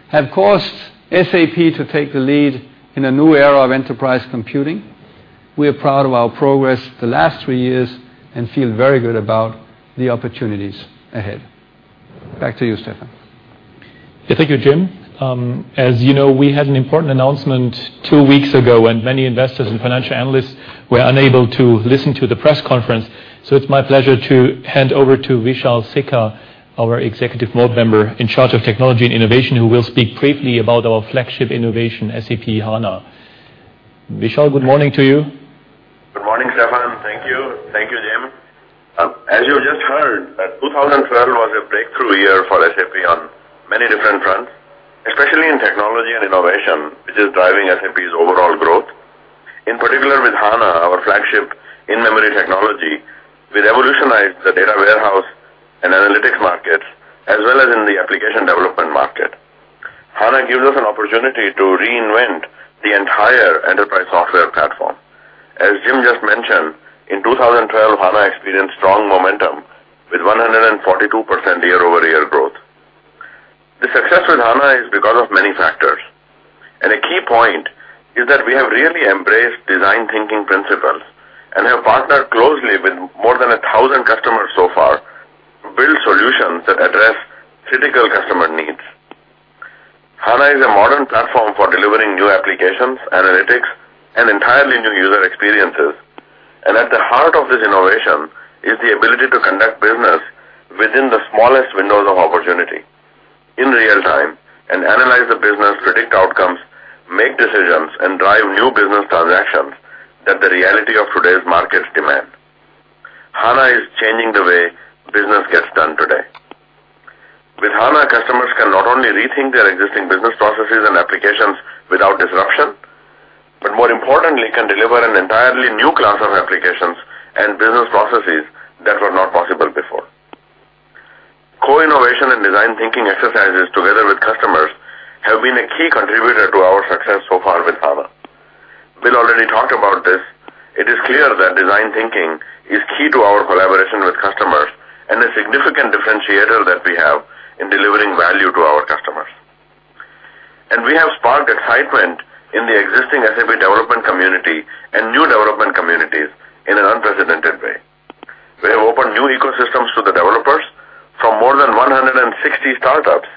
have caused SAP to take the lead in a new era of enterprise computing. We are proud of our progress the last three years and feel very good about the opportunities ahead. Back to you, Stefan. Thank you, Jim. As you know, we had an important announcement two weeks ago, and many investors and financial analysts were unable to listen to the press conference, so it's my pleasure to hand over to Vishal Sikka, our Executive Board Member in charge of Technology and Innovation, who will speak briefly about our flagship innovation, SAP HANA. Vishal, good morning to you. Good morning, Stefan. Thank you. Thank you, Jim. As you just heard, 2012 was a breakthrough year for SAP on many different fronts, especially in technology and innovation, which is driving SAP's overall growth. In particular, with HANA, our flagship in-memory technology, we revolutionized the data warehouse and analytics markets, as well as in the application development market. HANA gives us an opportunity to reinvent the entire enterprise software platform. As Jim just mentioned, in 2012, HANA experienced strong momentum with 142% year-over-year growth. The success with HANA is because of many factors, and a key point is that we have really embraced design thinking principles and have partnered closely with more than 1,000 customers so far to build solutions that address critical customer needs. HANA is a modern platform for delivering new applications, analytics, and entirely new user experiences. At the heart of this innovation is the ability to conduct business within the smallest windows of opportunity in real time and analyze the business, predict outcomes, make decisions, and drive new business transactions. To not only rethink their existing business processes and applications without disruption, but more importantly, can deliver an entirely new class of applications and business processes that were not possible before. Co-innovation and design thinking exercises together with customers have been a key contributor to our success so far with HANA. Bill already talked about this. It is clear that design thinking is key to our collaboration with customers, and a significant differentiator that we have in delivering value to our customers. We have sparked excitement in the existing SAP development community and new development communities in an unprecedented way. We have opened new ecosystems to the developers from more than 160 startups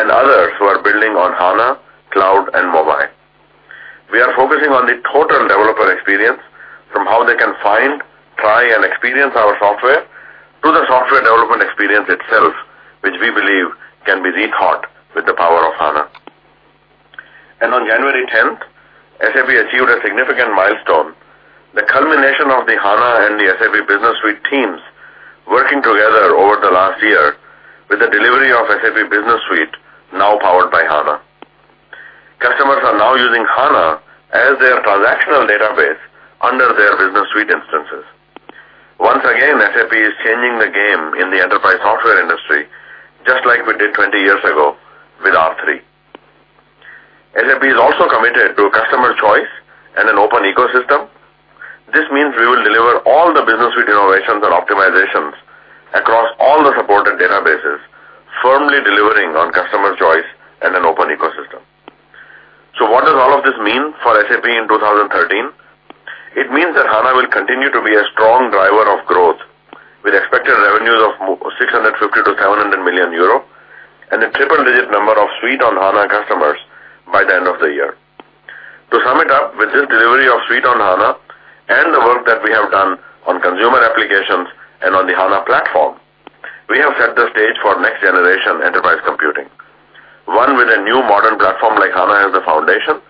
and others who are building on HANA, cloud, and mobile. We are focusing on the total developer experience, from how they can find, try, and experience our software, to the software development experience itself, which we believe can be rethought with the power of HANA. On January 10th, SAP achieved a significant milestone, the culmination of the HANA and the SAP Business Suite teams working together over the last year with the delivery of SAP Business Suite now powered by HANA. Customers are now using HANA as their transactional database under their Business Suite instances. Once again, SAP is changing the game in the enterprise software industry, just like we did 20 years ago with R/3. SAP is also committed to customer choice and an open ecosystem. This means we will deliver all the business with innovations and optimizations across all the supported databases, firmly delivering on customer choice and an open ecosystem. What does all of this mean for SAP in 2013? It means that SAP HANA will continue to be a strong driver of growth, with expected revenues of 650 million-700 million euro, and a triple-digit number of Suite on SAP HANA customers by the end of the year. To sum it up, with this delivery of Suite on SAP HANA, and the work that we have done on consumer applications and on the SAP HANA platform, we have set the stage for next generation enterprise computing. One with a new modern platform like SAP HANA as the foundation,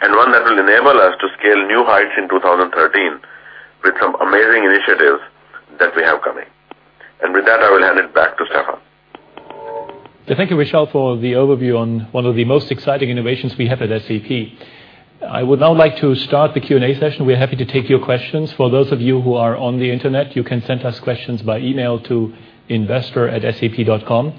and one that will enable us to scale new heights in 2013 with some amazing initiatives that we have coming. With that, I will hand it back to Stefan. Thank you, Vishal, for the overview on one of the most exciting innovations we have at SAP. I would now like to start the Q&A session. We are happy to take your questions. For those of you who are on the internet, you can send us questions by email to investor@sap.com.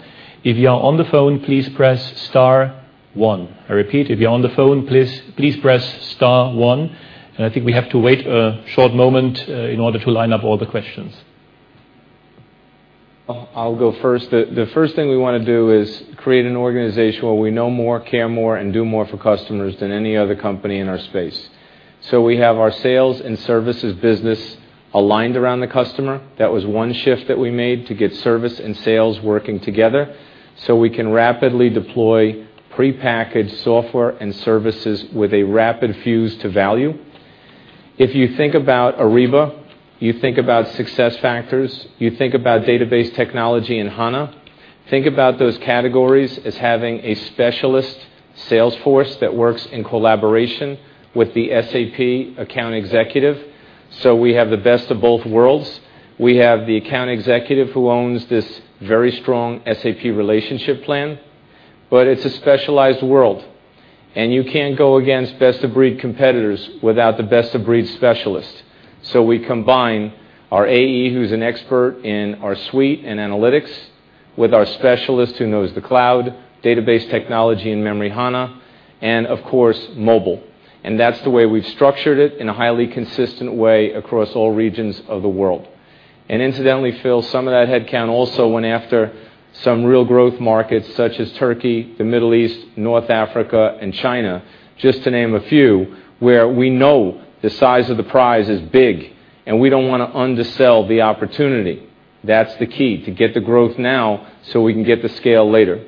If you are on the phone, please press star one. I repeat, if you are on the phone, please press star one. I think we have to wait a short moment in order to line up all the questions. I will go first. The first thing we want to do is create an organization where we know more, care more, and do more for customers than any other company in our space. We have our sales and services business aligned around the customer. That was one shift that we made to get service and sales working together, we can rapidly deploy prepackaged software and services with a rapid fuse to value. If you think about Ariba, you think about SuccessFactors, you think about database technology and SAP HANA. Think about those categories as having a specialist sales force that works in collaboration with the SAP account executive. We have the best of both worlds. We have the account executive who owns this very strong SAP relationship plan, but it is a specialized world. You cannot go against best-of-breed competitors without the best-of-breed specialists. We combine our AE, who is an expert in our suite and analytics, with our specialist who knows the cloud, database technology, in-memory SAP HANA, and of course, mobile. That is the way we have structured it in a highly consistent way across all regions of the world. Incidentally, Phil, some of that headcount also went after some real growth markets such as Turkey, the Middle East, North Africa, and China, just to name a few, where we know the size of the prize is big, and we do not want to undersell the opportunity. That is the key, to get the growth now so we can get the scale later.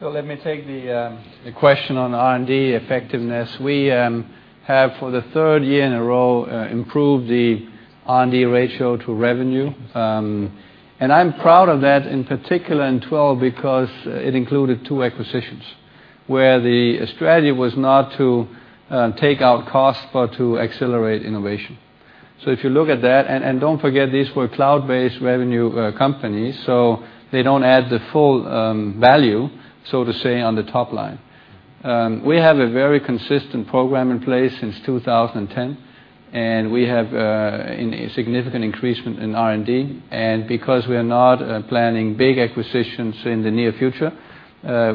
Well, let me take the question on R&D effectiveness. We have, for the third year in a row, improved the R&D ratio to revenue. I'm proud of that, in particular in 2012, because it included two acquisitions, where the strategy was not to take out costs, but to accelerate innovation. If you look at that, and don't forget, these were cloud-based revenue companies, so they don't add the full value, so to say, on the top line. We have a very consistent program in place since 2010, and we have a significant increase in R&D. Because we are not planning big acquisitions in the near future,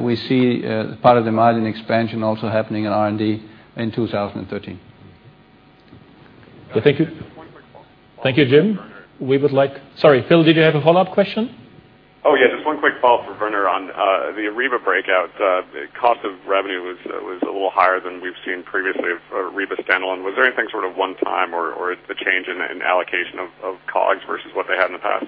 we see part of the margin expansion also happening in R&D in 2013. Thank you. One quick follow-up. Thank you, Jim. Sorry, Phil, did you have a follow-up question? Oh, yeah. Just one quick follow-up for Werner on the Ariba breakout. The cost of revenue was a little higher than we've seen previously for Ariba standalone. Was there anything sort of one time, or a change in allocation of COGS versus what they had in the past?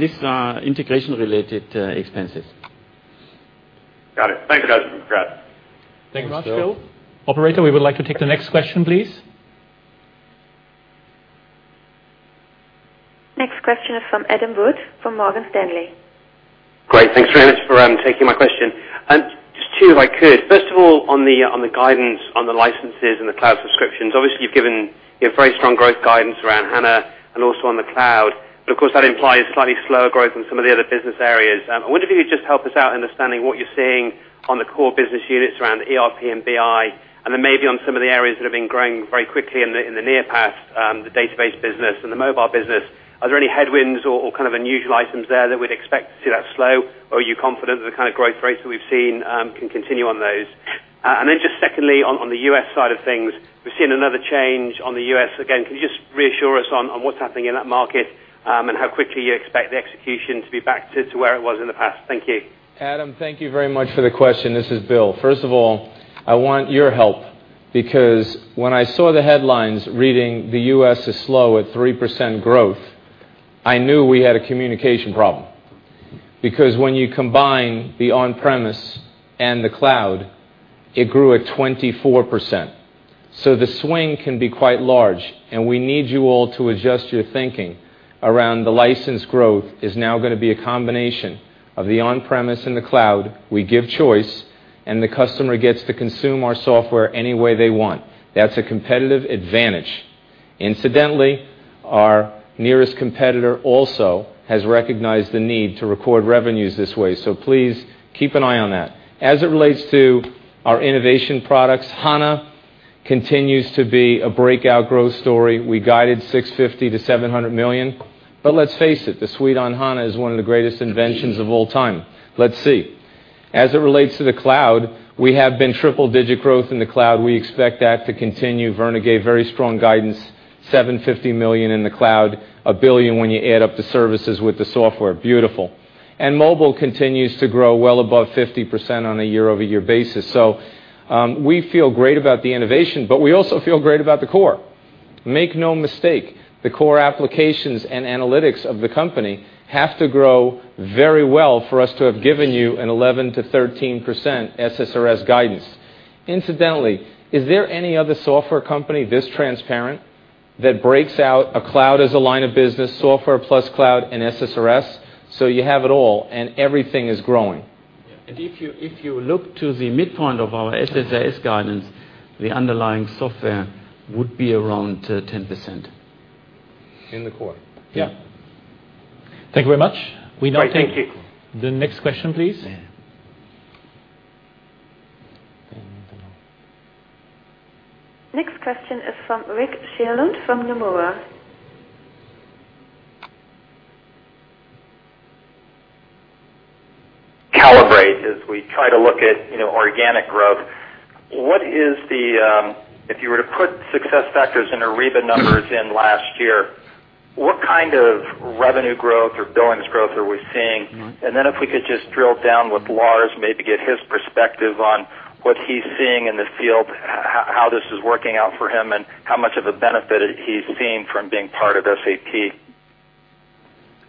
These are integration-related expenses. Got it. Thanks, guys. Congrats. Thanks, Phil. Operator, we would like to take the next question, please. Next question is from Adam Wood from Morgan Stanley. Great. Thanks very much for taking my question. Just two, if I could. First of all, on the guidance on the licenses and the cloud subscriptions. Obviously, you've given very strong growth guidance around HANA and also on the cloud, but of course, that implies slightly slower growth in some of the other business areas. I wonder if you could just help us out understanding what you're seeing on the core business units around ERP and BI, and then maybe on some of the areas that have been growing very quickly in the near past, the database business and the mobile business. Are there any headwinds or kind of unusual items there that we'd expect to see that slow, or are you confident that the kind of growth rates that we've seen can continue on those? Just secondly, on the U.S. side of things, we've seen another change on the U.S. again. Can you just reassure us on what's happening in that market and how quickly you expect the execution to be back to where it was in the past? Thank you. Adam, thank you very much for the question. This is Bill. First of all, I want your help because when I saw the headlines reading, "The U.S. is slow at 3% growth," I knew we had a communication problem. When you combine the on-premise and the cloud, it grew at 24%. The swing can be quite large, and we need you all to adjust your thinking around the license growth is now going to be a combination of the on-premise and the cloud. We give choice, and the customer gets to consume our software any way they want. That's a competitive advantage. Incidentally, our nearest competitor also has recognized the need to record revenues this way, so please keep an eye on that. As it relates to our innovation products, HANA continues to be a breakout growth story. We guided 650 million-700 million. Let's face it, the suite on SAP HANA is one of the greatest inventions of all time. Let's see. As it relates to the cloud, we have been triple-digit growth in the cloud. We expect that to continue. Werner gave very strong guidance, 750 million in the cloud, 1 billion when you add up the services with the software. Beautiful. Mobile continues to grow well above 50% on a year-over-year basis. We feel great about the innovation, but we also feel great about the core. Make no mistake, the core applications and analytics of the company have to grow very well for us to have given you an 11%-13% SSRS guidance. Incidentally, is there any other software company this transparent that breaks out a cloud as a line of business, software plus cloud and SSRS? You have it all and everything is growing. If you look to the midpoint of our SSRS guidance, the underlying software would be around 10%. In the core. Yeah. Thank you very much. Thank you. The next question, please. Next question is from Rick Sherlund from Nomura. Calibrate as we try to look at organic growth. If you were to put SuccessFactors and Ariba numbers in last year, what kind of revenue growth or billings growth are we seeing? Then if we could just drill down with Lars, maybe get his perspective on what he's seeing in the field, how this is working out for him, and how much of a benefit he's seeing from being part of SAP.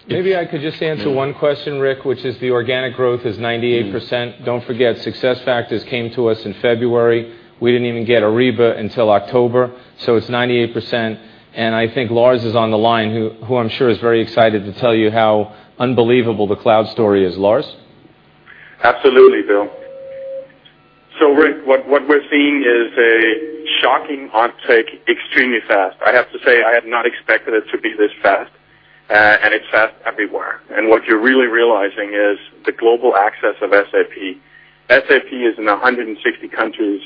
Maybe I could just answer one question, Rick, which is the organic growth is 98%. Don't forget, SuccessFactors came to us in February. We didn't even get Ariba until October, so it's 98%. I think Lars is on the line, who I'm sure is very excited to tell you how unbelievable the cloud story is. Lars? Absolutely, Bill. Rick, what we're seeing is a shocking uptake extremely fast. I have to say, I have not expected it to be this fast, and it's fast everywhere. What you're really realizing is the global access of SAP. SAP is in 160 countries.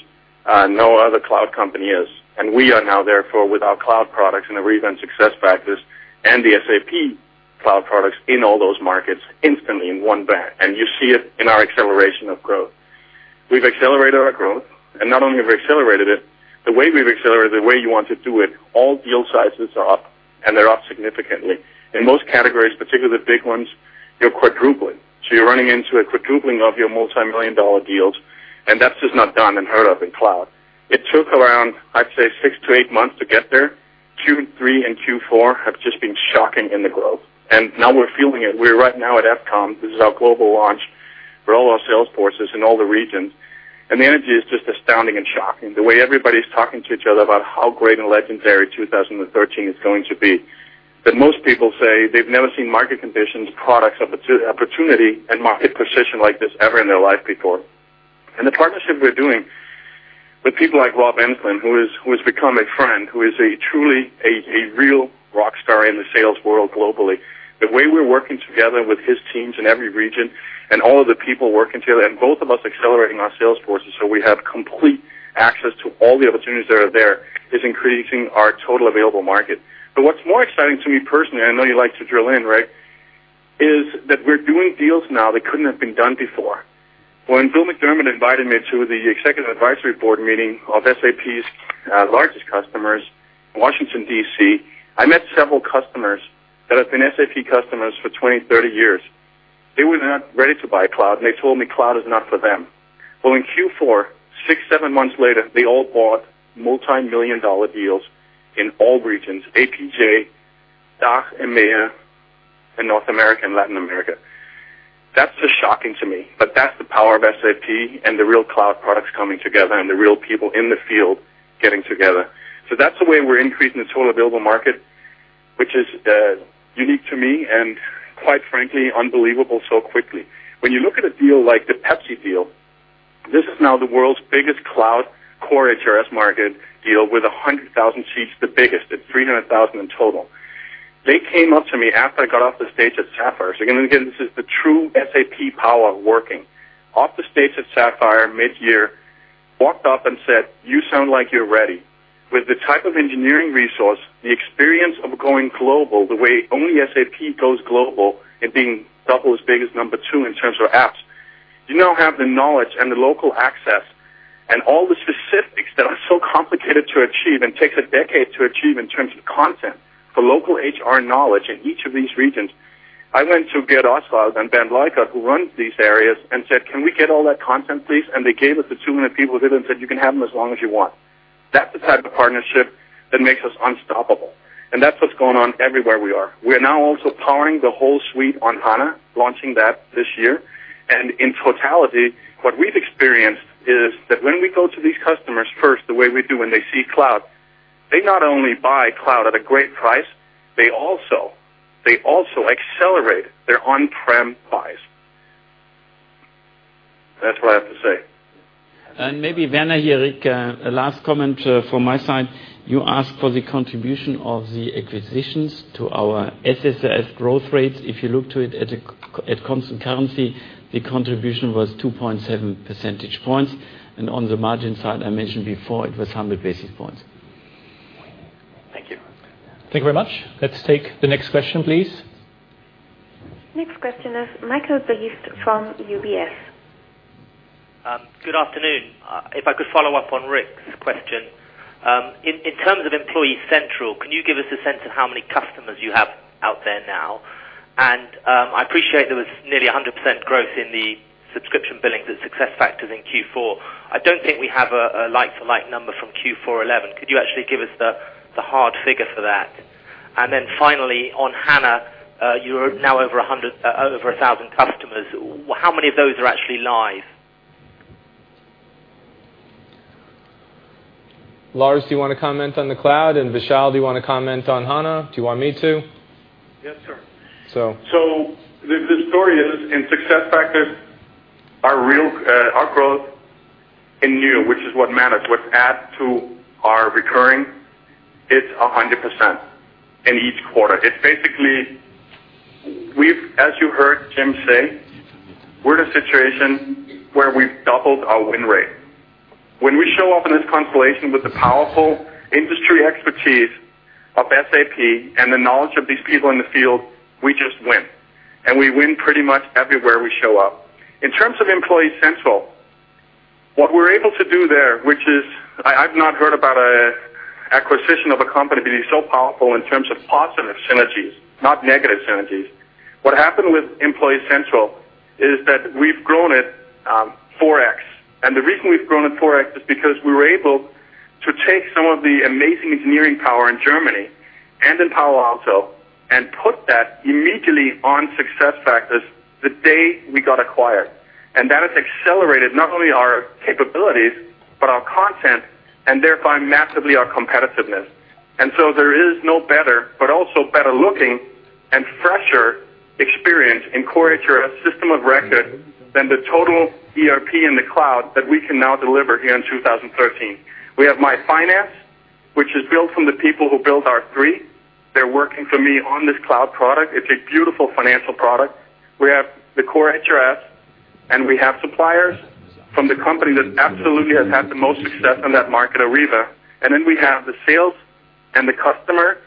No other cloud company is. We are now therefore with our cloud products and Ariba and SuccessFactors, and the SAP cloud products in all those markets instantly in one bang. You see it in our acceleration of growth. We've accelerated our growth, and not only have we accelerated it, the way we've accelerated, the way you want to do it, all deal sizes are up, and they're up significantly. In most categories, particularly the big ones, you're quadrupling. You're running into a quadrupling of your multimillion-dollar deals, and that's just not done and heard of in cloud. It took around, I'd say, six to eight months to get there. Q3 and Q4 have just been shocking in the globe. Now we're feeling it. We're right now at FKOM. This is our global launch for all our sales forces in all the regions. The energy is just astounding and shocking, the way everybody's talking to each other about how great and legendary 2013 is going to be. Most people say they've never seen market conditions, products of opportunity, and market position like this ever in their life before. The partnership we're doing with people like Rob Enslin, who has become a friend, who is truly a real rock star in the sales world globally. The way we're working together with his teams in every region and all of the people working together, both of us accelerating our sales forces, so we have complete access to all the opportunities that are there, is increasing our total available market. What's more exciting to me personally, I know you like to drill in, right? Is that we're doing deals now that couldn't have been done before. When Bill McDermott invited me to the executive advisory board meeting of SAP's largest customers in Washington, D.C., I met several customers that have been SAP customers for 20, 30 years. They were not ready to buy cloud, and they told me cloud is not for them. Well, in Q4, six, seven months later, they all bought multimillion-dollar deals in all regions, APJ, DACH, EMEA, and North America and Latin America. That's just shocking to me. That's the power of SAP and the real cloud products coming together and the real people in the field getting together. That's the way we're increasing the total available market. It is unique to me and, quite frankly, unbelievable so quickly. When you look at a deal like the PepsiCo deal, this is now the world's biggest cloud core HRS market deal with 100,000 seats, the biggest at 300,000 in total. They came up to me after I got off the stage at SAP Sapphire. Again, this is the true SAP power working. Off the stage at SAP Sapphire mid-year, walked up and said, "You sound like you're ready." With the type of engineering resource, the experience of going global, the way only SAP goes global and being double as big as number two in terms of apps. You now have the knowledge and the local access and all the specifics that are so complicated to achieve and takes a decade to achieve in terms of content for local HR knowledge in each of these regions. I went to Gerhard Oswald and Bernd Leukert, who run these areas and said, "Can we get all that content, please?" They gave us the 200 people who did and said, "You can have them as long as you want." That's the type of partnership that makes us unstoppable, and that's what's going on everywhere we are. We're now also powering the whole suite on SAP HANA, launching that this year. In totality, what we've experienced is that when we go to these customers first, the way we do, and they see cloud, they not only buy cloud at a great price, they also accelerate their on-prem buys. That's what I have to say. Maybe Werner Brandt, here, Rick Sherlund, a last comment from my side. You asked for the contribution of the acquisitions to our SSRS growth rates. If you look to it at constant currency, the contribution was 2.7 percentage points. On the margin side, I mentioned before, it was 100 basis points. Thank you. Thank you very much. Let's take the next question, please. Next question is Michael Briest from UBS. Good afternoon. If I could follow up on Rick's question. In terms of Employee Central, can you give us a sense of how many customers you have out there now? I appreciate there was nearly 100% growth in the subscription billing, the SuccessFactors in Q4. I don't think we have a like-to-like number from Q4 2011. Could you actually give us the hard figure for that? Finally, on HANA, you're now over 1,000 customers. How many of those are actually live? Lars, do you want to comment on the cloud, and Vishal, do you want to comment on SAP HANA? Do you want me to? Yes, sir. So. The story is, in SuccessFactors, our growth in new, which is what matters, what's add to our recurring, it's 100% in each quarter. Jim say, we're in a situation where we've doubled our win rate. When we show up in this constellation with the powerful industry expertise of SAP and the knowledge of these people in the field, we just win. We win pretty much everywhere we show up. In terms of Employee Central, what we're able to do there, which is I've not heard about acquisition of a company being so powerful in terms of positive synergies, not negative synergies. What happened with Employee Central is that we've grown it 4x. The reason we've grown it 4x is because we were able to take some of the amazing engineering power in Germany and in Palo Alto and put that immediately on SuccessFactors the day we got acquired. That has accelerated not only our capabilities, but our content, and thereby massively our competitiveness. There is no better, but also better-looking and fresher experience in core HR system of record than the total ERP in the cloud that we can now deliver here in 2013. We have SAP Finance, which is built from the people who build SAP R/3. They're working for me on this cloud product. It's a beautiful financial product. We have the core HRS. We have suppliers from the company that absolutely has had the most success in that market, Ariba. We have the sales and the customer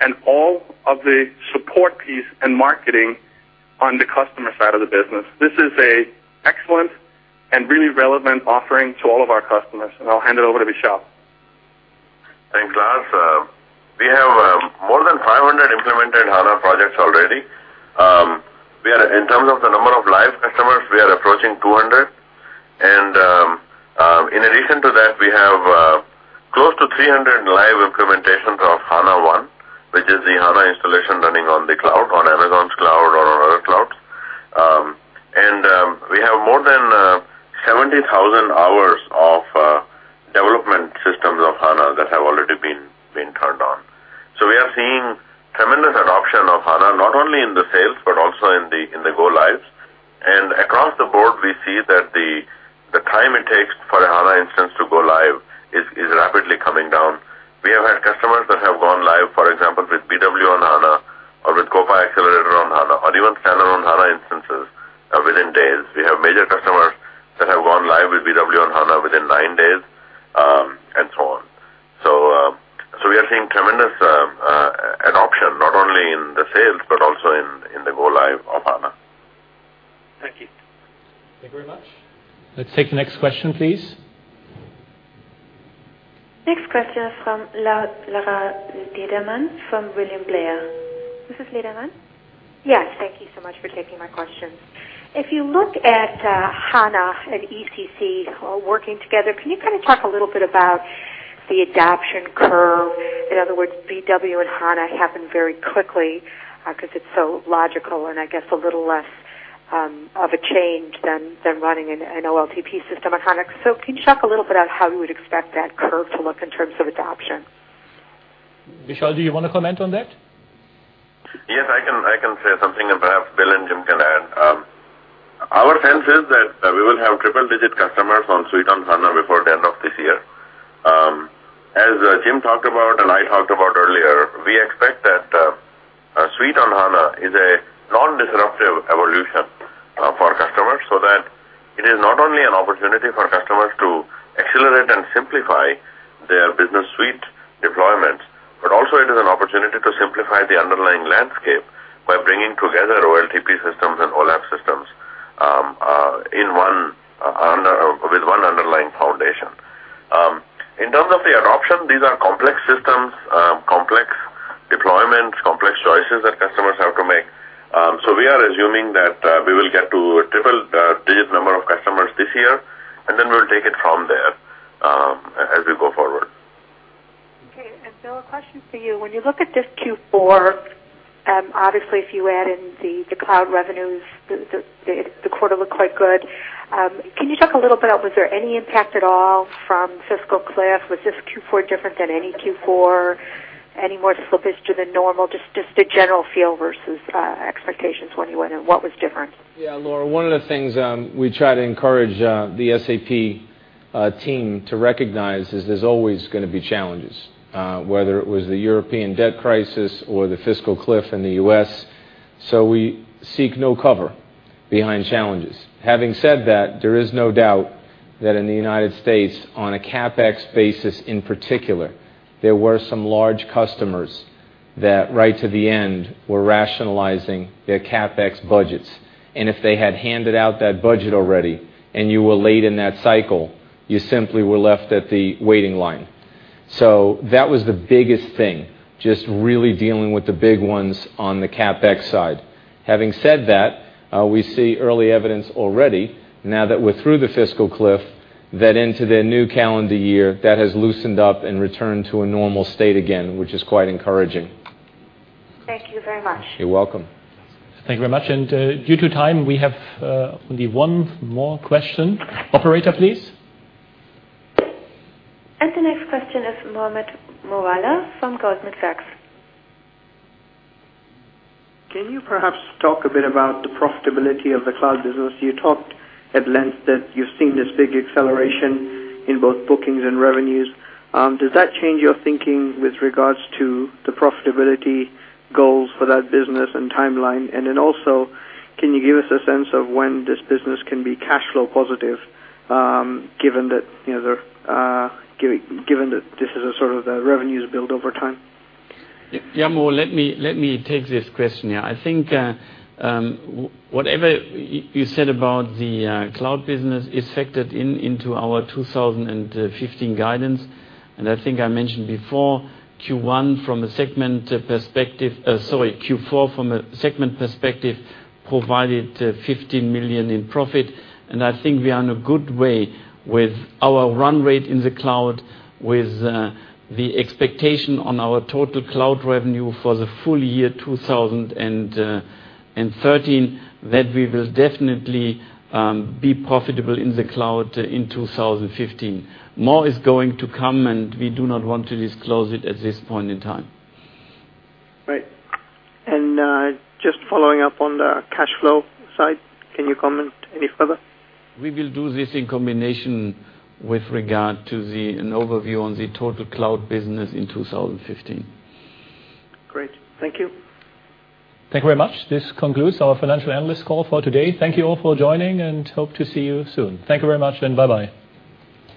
and all of the support piece and marketing on the customer side of the business. This is an excellent and really relevant offering to all of our customers. I'll hand it over to Vishal. Thanks, Lars. We have more than 500 implemented HANA projects already. In terms of the number of live customers, we are approaching 200. In addition to that, we have close to 300 live implementations of HANA One, which is the HANA installation running on the cloud, on Amazon's cloud or on other clouds. We have more than 70,000 hours of development systems of HANA that have already been turned on. We are seeing tremendous adoption of HANA, not only in the sales, but also in the go lives. Across the board, we see that the time it takes for a HANA instance to go live is rapidly coming down. We have had customers that have gone live, for example, with BW on HANA or with CO-PA Accelerator on HANA or even Standard on HANA instances within days. We have major customers that have gone live with BW on HANA within nine days, and so on. We are seeing tremendous adoption, not only in the sales but also in the go live of HANA. Thank you. Thank you very much. Let's take the next question, please. Next question is from Laura Lederman from William Blair. Mrs. Lederman? Yes. Thank you so much for taking my questions. If you look at HANA and ECC all working together, can you kind of talk a little bit about the adoption curve? In other words, BW on HANA happened very quickly, because it's so logical and I guess a little less Of a change than running an OLTP system on HANA. Can you talk a little bit about how you would expect that curve to look in terms of adoption? Vishal, do you want to comment on that? Yes, I can say something, and perhaps Bill and Jim can add. Our sense is that we will have triple-digit customers on Suite on HANA before the end of this year. As Jim talked about and I talked about earlier, we expect that Suite on HANA is a non-disruptive evolution for customers, so that it is not only an opportunity for customers to accelerate and simplify their SAP Business Suite deployments, but also it is an opportunity to simplify the underlying landscape by bringing together OLTP systems and OLAP systems with one underlying foundation. In terms of the adoption, these are complex systems, complex deployments, complex choices that customers have to make. We are assuming that we will get to a triple-digit number of customers this year, and then we'll take it from there as we go forward. Okay. Bill, a question for you. When you look at this Q4, obviously if you add in the cloud revenues, the quarter looked quite good. Can you talk a little bit about, was there any impact at all from fiscal cliff? Was this Q4 different than any Q4, any more slippage than normal, just the general feel versus expectations when you went in? What was different? Yeah, Laura, one of the things we try to encourage the SAP team to recognize is there's always going to be challenges, whether it was the European debt crisis or the fiscal cliff in the U.S. We seek no cover behind challenges. Having said that, there is no doubt that in the United States, on a CapEx basis in particular, there were some large customers that right to the end were rationalizing their CapEx budgets. If they had handed out that budget already, and you were late in that cycle, you simply were left at the waiting line. That was the biggest thing, just really dealing with the big ones on the CapEx side. Having said that, we see early evidence already, now that we're through the fiscal cliff, that into the new calendar year, that has loosened up and returned to a normal state again, which is quite encouraging. Thank you very much. You're welcome. Thank you very much. Due to time, we have only one more question. Operator, please. The next question is Mohammed Moawalla from Goldman Sachs. Can you perhaps talk a bit about the profitability of the cloud business? You talked at length that you've seen this big acceleration in both bookings and revenues. Does that change your thinking with regards to the profitability goals for that business and timeline? Also, can you give us a sense of when this business can be cash flow positive given that this is a sort of the revenues build over time? Yeah, Mo, let me take this question. I think whatever you said about the cloud business is factored into our 2015 guidance. I think I mentioned before, Q4 from a segment perspective, provided 15 million in profit. I think we are in a good way with our run rate in the cloud with the expectation on our total cloud revenue for the full year 2013, that we will definitely be profitable in the cloud in 2015. More is going to come, and we do not want to disclose it at this point in time. Right. Just following up on the cash flow side, can you comment any further? We will do this in combination with regard to an overview on the total cloud business in 2015. Great. Thank you. Thank you very much. This concludes our financial analyst call for today. Thank you all for joining, and hope to see you soon. Thank you very much, and bye-bye.